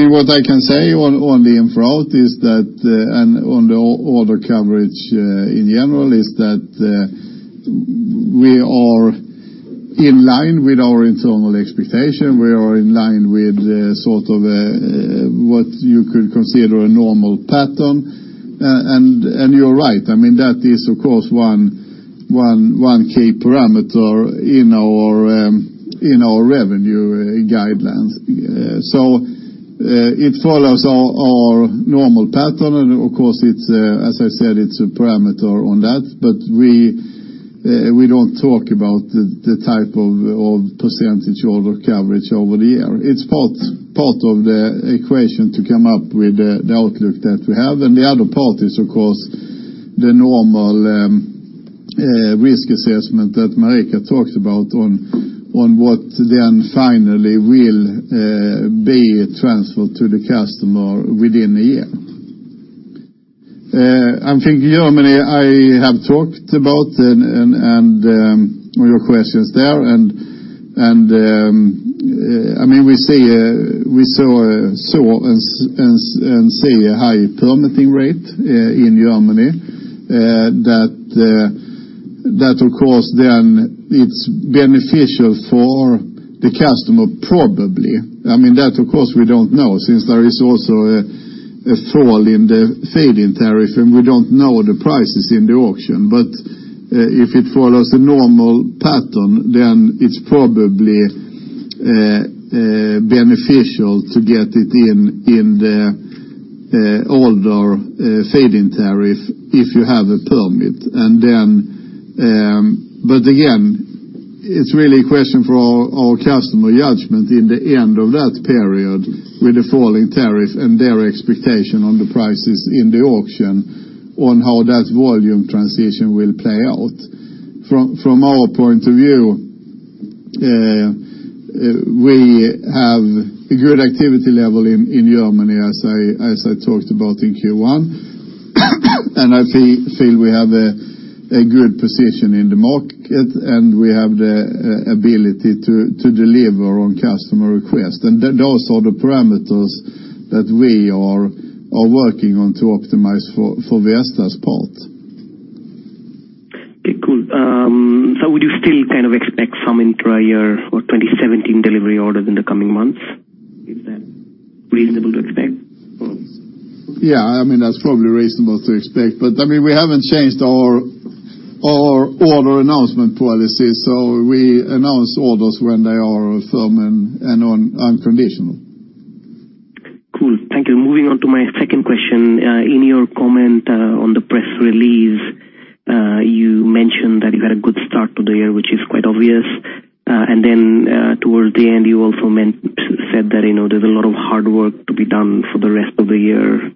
What I can say on the intra is that, and on the order coverage in general, is that we are in line with our internal expectation. We are in line with sort of what you could consider a normal pattern. You're right, that is, of course, one key parameter in our revenue guidelines. It follows our normal pattern, and of course, as I said, it's a parameter on that, but we don't talk about the type of percentage order coverage over the year. It's part of the equation to come up with the outlook that we have, and the other part is, of course, the normal risk assessment that Marika talks about on what then finally will be transferred to the customer within a year. I think Germany, I have talked about and your questions there, we saw and see a high permitting rate in Germany. That, of course, then it's beneficial for the customer, probably. That, of course, we don't know since there is also a fall in the feed-in tariff, and we don't know the prices in the auction. If it follows a normal pattern, then it's probably beneficial to get it in the older feed-in tariff if you have a permit. Again, it's really a question for our customer judgment in the end of that period with the falling tariff and their expectation on the prices in the auction on how that volume transition will play out. From our point of view, we have a good activity level in Germany, as I talked about in Q1. I feel we have a good position in the market, and we have the ability to deliver on customer request. Those are the parameters that we are working on to optimize for Vestas' part. Okay, cool. Would you still kind of expect some intra-year for 2017 delivery orders in the coming months? Is that reasonable to expect? That's probably reasonable to expect. We haven't changed our order announcement policy, so we announce orders when they are firm and unconditional. Cool. Thank you. Moving on to my second question. In your comment on the press release, you mentioned that you got a good start to the year, which is quite obvious. Then towards the end, you also said that there's a lot of hard work to be done for the rest of the year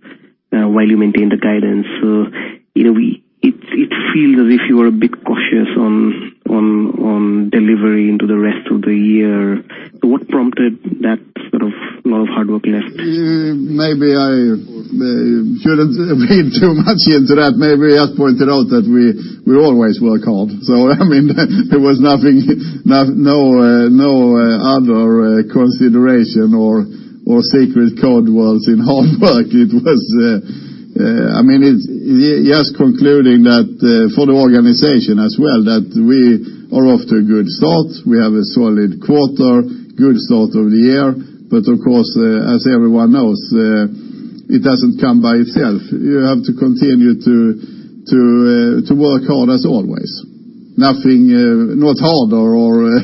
while you maintain the guidance. It feels as if you are a bit cautious on delivery into the rest of the year. What prompted that sort of lot of hard work left? Maybe I shouldn't read too much into that. Maybe I just pointed out that we always work hard. There was no other consideration or secret code words in hard work. It was just concluding that for the organization as well, that we are off to a good start. We have a solid quarter, good start of the year, but of course, as everyone knows, it doesn't come by itself. You have to continue to work hard as always. Nothing, not harder,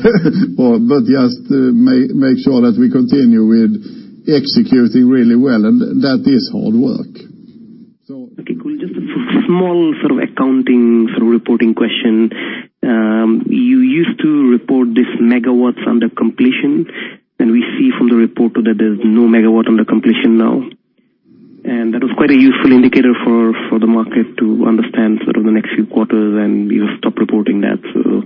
but just make sure that we continue with executing really well, and that is hard work. Okay, cool. Just a small accounting, reporting question. You used to report these megawatts under completion, and we see from the report that there's no megawatt under completion now. That was quite a useful indicator for the market to understand the next few quarters, and you've stopped reporting that, so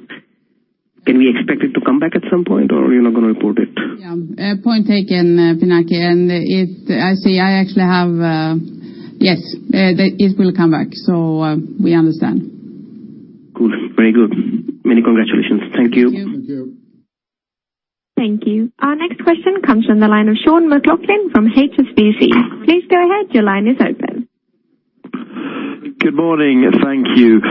can we expect it to come back at some point, or are you not going to report it? Yeah. Point taken, Pinaki. Yes. It will come back. We understand. Cool. Very good. Many congratulations. Thank you. Thank you. Thank you. Thank you. Our next question comes from the line of Sean McLoughlin from HSBC. Please go ahead. Your line is open. Good morning, and thank you.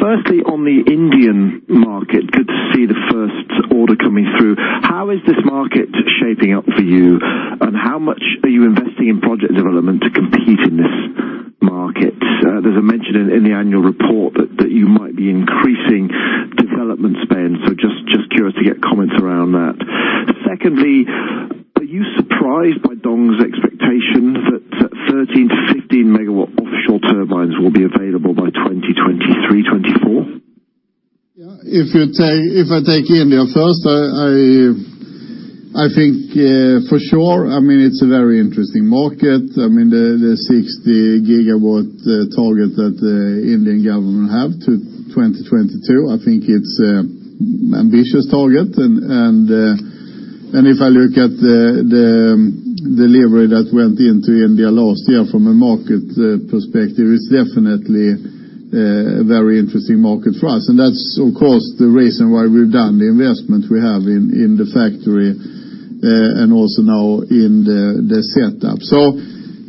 Firstly, on the Indian market, good to see the first order coming through. How is this market shaping up for you, and how much are you investing in project development to compete in this market? There is a mention in the annual report that you might be increasing development spend, so just curious to get comments around that. Secondly, are you surprised by DONG's expectation that 13-15 MW offshore turbines will be available by 2023, 2024? If I take India first, I think for sure, it is a very interesting market. The 60 GW target that the Indian government have to 2022, I think it is a ambitious target, and if I look at the delivery that went into India last year from a market perspective, it is definitely a very interesting market for us. That is, of course, the reason why we have done the investment we have in the factory, and also now in the setup.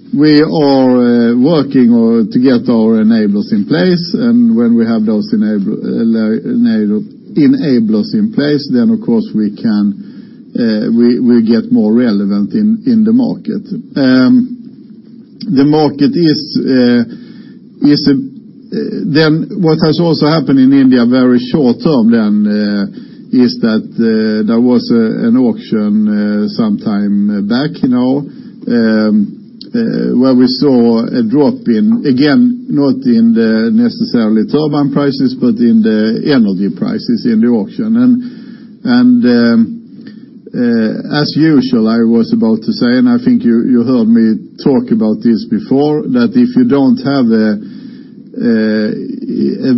We are working to get our enablers in place, and when we have those enablers in place, then of course we get more relevant in the market. What has also happened in India very short term then, is that there was an auction sometime back now, where we saw a drop in, again, not in the necessarily turbine prices, but in the energy prices in the auction. As usual, I was about to say, and I think you heard me talk about this before, that if you do not have a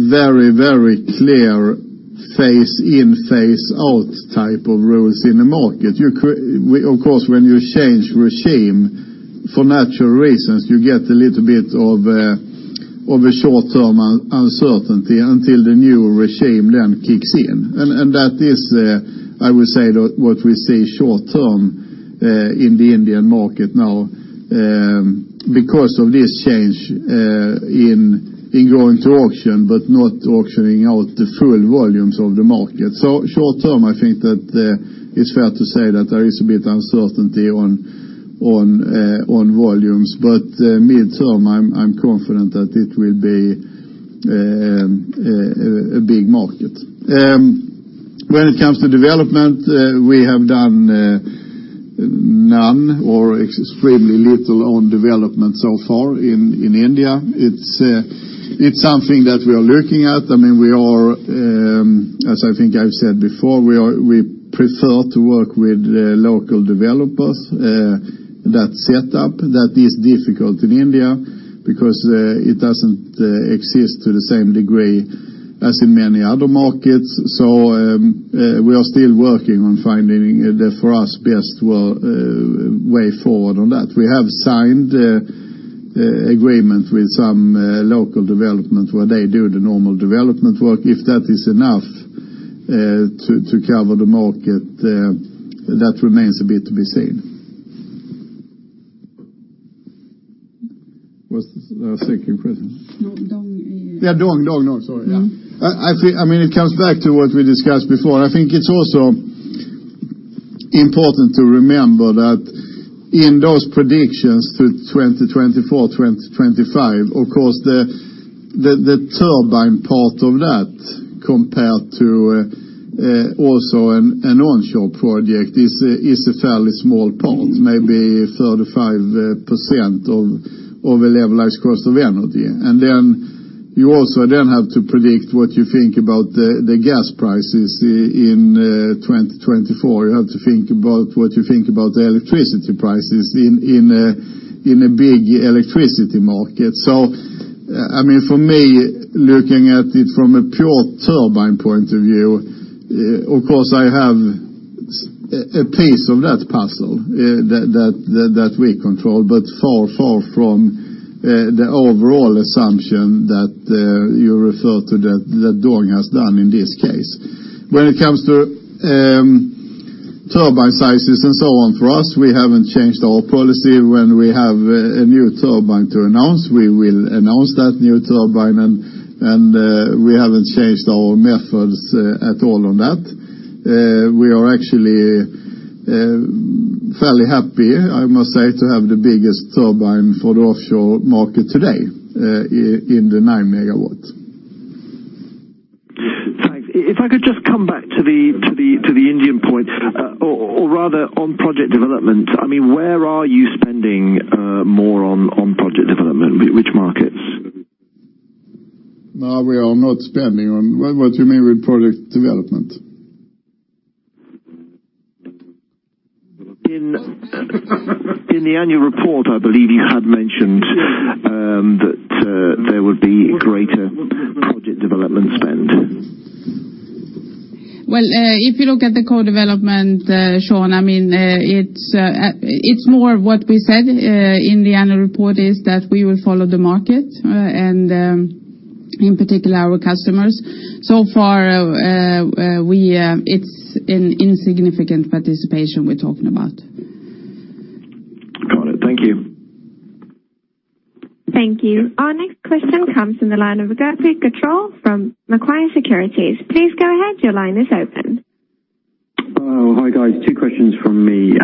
very clear phase in, phase out type of rules in a market, of course, when you change regime for natural reasons, you get a little bit of a short-term uncertainty until the new regime then kicks in. That is, I would say, what we see short term in the Indian market now because of this change in going to auction, but not auctioning out the full volumes of the market. Short term, I think that it is fair to say that there is a bit uncertainty on volumes, but mid-term, I am confident that it will be a big market. When it comes to development, we have done none or extremely little on development so far in India. It is something that we are looking at. As I think I've said before, we prefer to work with local developers that set up. That is difficult in India because it doesn't exist to the same degree as in many other markets. We are still working on finding the, for us, best way forward on that. We have signed agreement with some local development where they do the normal development work. If that is enough to cover the market, that remains a bit to be seen. What was the second question? DONG. Yeah, DONG. Sorry, yeah. It comes back to what we discussed before. I think it's also important to remember that in those predictions through 2024, 2025, of course the turbine part of that compared to also an onshore project is a fairly small part, maybe 35% of a levelized cost of energy. Then you also then have to predict what you think about the gas prices in 2024. You have to think about what you think about the electricity prices in a big electricity market. For me, looking at it from a pure turbine point of view, of course I have a piece of that puzzle that we control, but far from the overall assumption that you refer to that DONG has done in this case. When it comes to turbine sizes and so on for us, we haven't changed our policy. When we have a new turbine to announce, we will announce that new turbine. We haven't changed our methods at all on that. We are actually fairly happy, I must say, to have the biggest turbine for the offshore market today in the 9 MW. Thanks. If I could just come back to the Indian point, or rather, on project development. Where are you spending more on project development? Which markets? No, we are not spending on. What do you mean with project development? In the annual report, I believe you had mentioned that there would be greater project development spend. Well, if you look at the co-development, Sean, it's more of what we said in the annual report, is that we will follow the market, and, in particular, our customers. So far, it's an insignificant participation we are talking about. Got it. Thank you. Thank you. Our next question comes from the line of Guthrie Gatrell from Macquarie Securities. Please go ahead. Your line is open. Hi, guys. Two questions from me.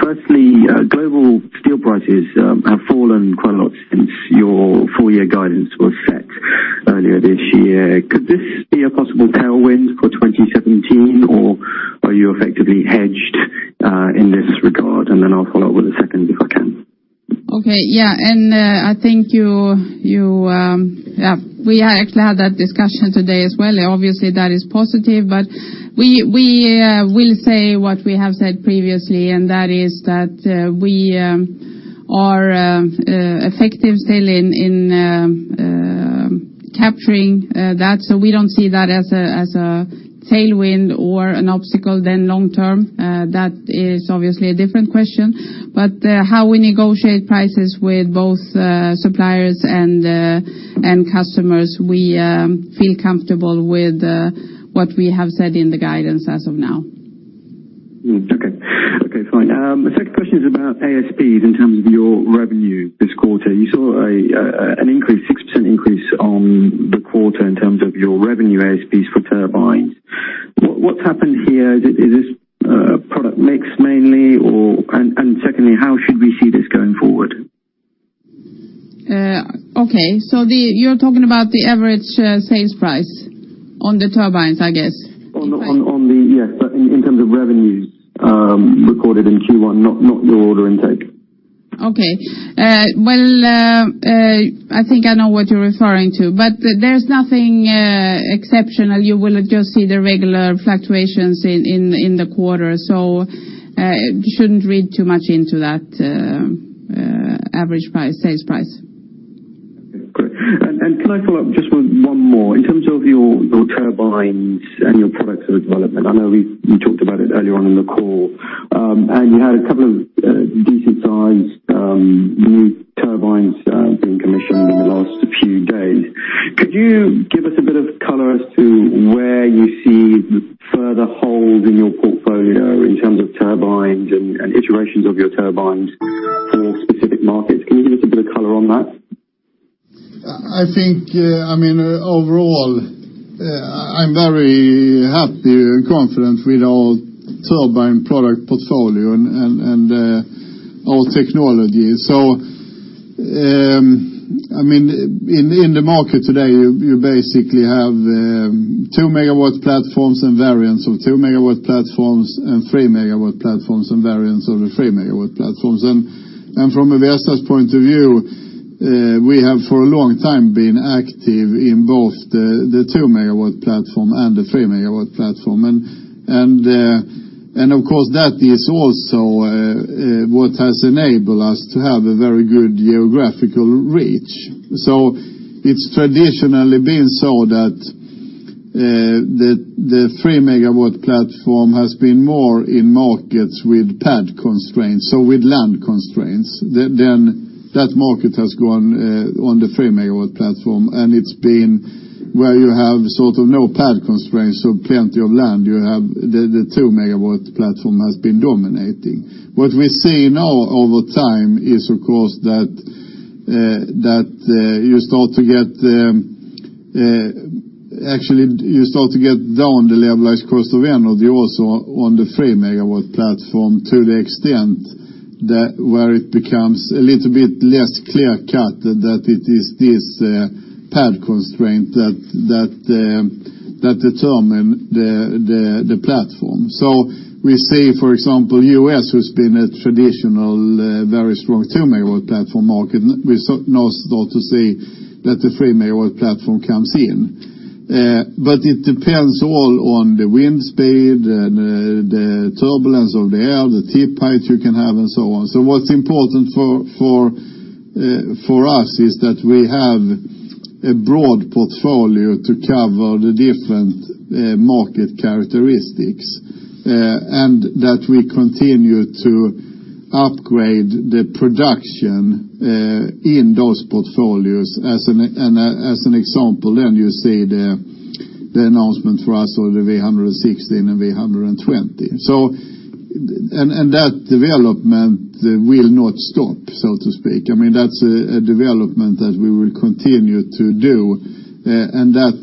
Firstly, global steel prices have fallen quite a lot since your full year guidance was set earlier this year. Could this be a possible tailwind for 2017, or are you effectively hedged in this regard? I'll follow up with a second, if I can. Okay. Yeah. We actually had that discussion today as well. Obviously, that is positive. We will say what we have said previously, and that is that we are effective still in capturing that. We don't see that as a tailwind or an obstacle then long-term. That is obviously a different question. How we negotiate prices with both suppliers and customers, we feel comfortable with what we have said in the guidance as of now. Okay. Fine. Second question is about ASPs in terms of your revenue this quarter. You saw a 6% increase on the quarter in terms of your revenue ASPs for turbines. What's happened here? Is this product mix mainly? Secondly, how should we see this going forward? Okay. You're talking about the average sales price on the turbines, I guess. Yes, in terms of revenues recorded in Q1, not your order intake. Okay. Well, I think I know what you're referring to, but there's nothing exceptional. You will just see the regular fluctuations in the quarter. Shouldn't read too much into that average sales price. Okay, great. Can I follow up just with one more? In terms of your turbines and your product development, I know we talked about it earlier on in the call, and you had a couple of decent-sized new turbines being commissioned in the last few days. Could you give us a bit of color as to where you see further holes in your portfolio in terms of turbines and iterations of your turbines for specific markets? Can you give us a bit of color on that? I think, overall, I'm very happy and confident with our turbine product portfolio and our technology. In the market today, you basically have 2-megawatt platforms and variants of 2-megawatt platforms and 3-megawatt platforms and variants of the 3-megawatt platforms. From a Vestas point of view, we have, for a long time, been active in both the 2-megawatt platform and the 3-megawatt platform. Of course, that is also what has enabled us to have a very good geographical reach. It's traditionally been so that the 3-megawatt platform has been more in markets with pad constraints, so with land constraints, then that market has gone on the 3-megawatt platform, and it's been where you have sort of no pad constraints, so plenty of land, the 2-megawatt platform has been dominating. What we see now over time is, of course, that you start to get down the levelized cost of energy also on the 3-megawatt platform to the extent that where it becomes a little bit less clear cut that it is this pad constraint that determine the platform. We see, for example, U.S., who's been a traditional, very strong 2-megawatt platform market, we now start to see that the 3-megawatt platform comes in. It depends all on the wind speed and the turbulence of the air, the tip height you can have and so on. What's important for us is that we have a broad portfolio to cover the different market characteristics, and that we continue to upgrade the production in those portfolios. As an example, then you see the announcement for us on the V116 and V120. That development will not stop, so to speak. That's a development that we will continue to do, and that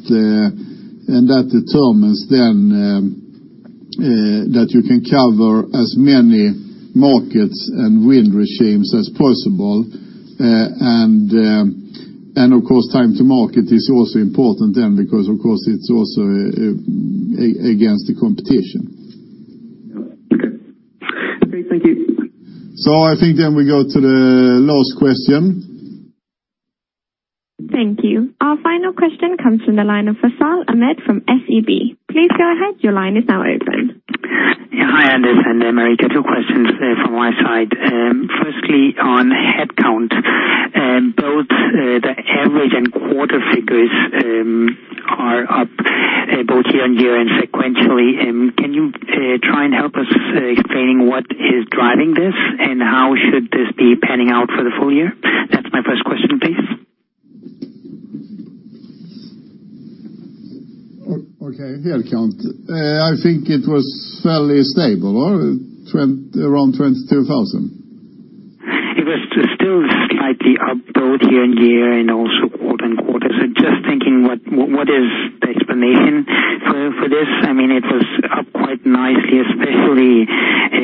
determines then that you can cover as many markets and wind regimes as possible. Of course, time to market is also important then because, of course, it's also against the competition. Okay. Great. Thank you. I think we go to the last question. Thank you. Our final question comes from the line of Faisal Ahmed from SEB. Please go ahead. Your line is now open. Yeah. Hi, Anders and Marika. Two questions from my side. Firstly, on headcount. Both the average and quarter figures are up both year-on-year and sequentially. Can you try and help us in explaining what is driving this and how should this be panning out for the full year? That's my first question, please. Okay. Headcount. I think it was fairly stable. Around 22,000. It was still slightly up both year-over-year and also quarter-over-quarter. Just thinking, what is the explanation for this? It was up quite nicely, especially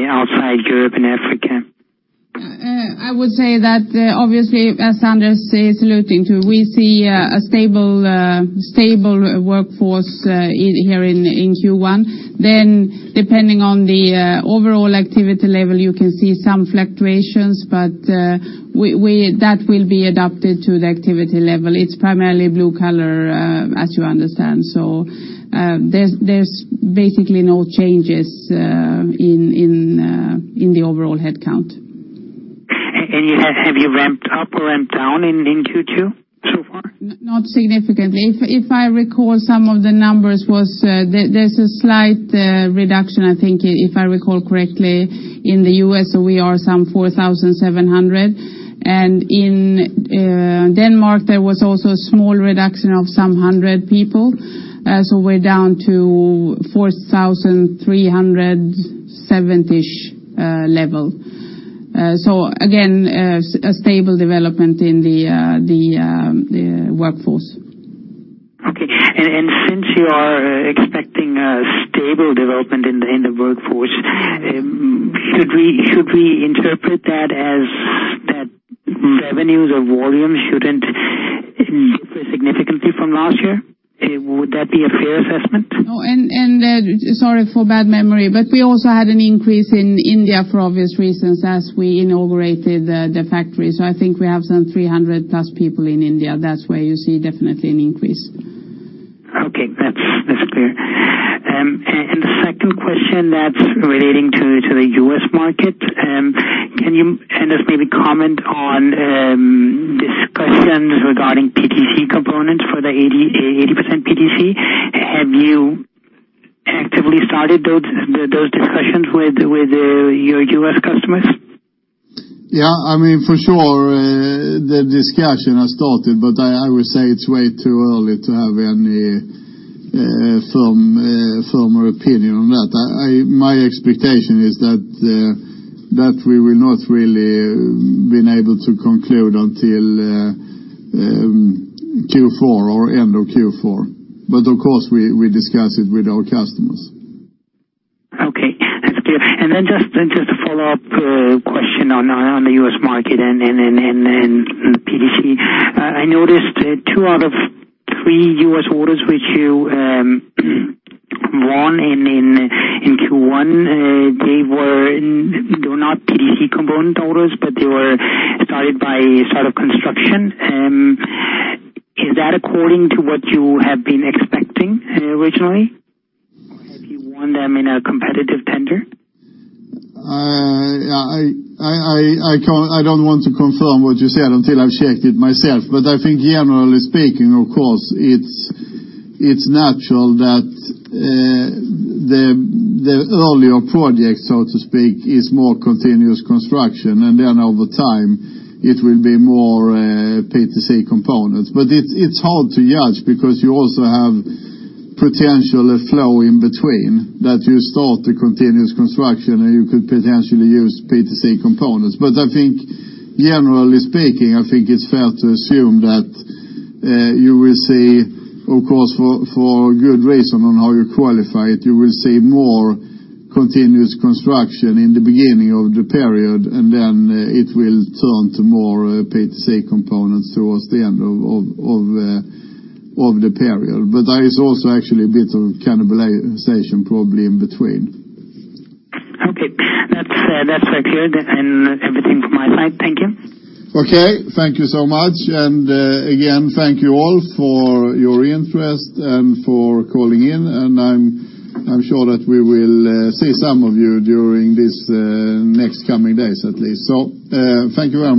outside Europe and Africa. I would say that, obviously, as Anders is alluding to, we see a stable workforce here in Q1. Depending on the overall activity level, you can see some fluctuations, but that will be adapted to the activity level. It's primarily blue collar, as you understand. There's basically no changes in the overall headcount. Have you ramped up or ramped down in Q2 so far? Not significantly. If I recall, some of the numbers was, there's a slight reduction, I think if I recall correctly, in the U.S., we are some 4,700. In Denmark, there was also a small reduction of some 100 people. We're down to 4,307-ish level. Again, a stable development in the workforce. Okay. Since you are expecting a stable development in the workforce, should we interpret that as that revenues or volume shouldn't differ significantly from last year? Would that be a fair assessment? No, sorry for bad memory, we also had an increase in India for obvious reasons as we inaugurated the factory. I think we have some 300-plus people in India. That's where you see definitely an increase. Okay. That's clear. The second question that's relating to the U.S. market, can you, Anders, maybe comment on discussions regarding PTC components for the 80% PTC? Have you actively started those discussions with your U.S. customers? Yeah, for sure the discussion has started, I would say it's way too early to have any firmer opinion on that. My expectation is that we will not really been able to conclude until Q4 or end of Q4. Of course, we discuss it with our customers. Okay. That's clear. Just a follow-up question on the U.S. market and PTC. I noticed two out of three U.S. orders which you won in Q1, they were not PTC component orders, but they were started by sort of construction. Is that according to what you have been expecting originally? Have you won them in a competitive tender? I don't want to confirm what you said until I've checked it myself. I think generally speaking, of course, it's natural that the earlier project, so to speak, is more continuous construction. Over time it will be more PTC components. It's hard to judge because you also have potential flow in between that you start the continuous construction and you could potentially use PTC components. I think generally speaking, I think it's fair to assume that you will see, of course, for a good reason on how you qualify it, you will see more continuous construction in the beginning of the period, it will turn to more PTC components towards the end of the period. There is also actually a bit of cannibalization probably in between. Okay. That's very clear. That's everything from my side. Thank you. Okay. Thank you so much. Again, thank you all for your interest and for calling in, I'm sure that we will see some of you during this next coming days at least. Thank you very much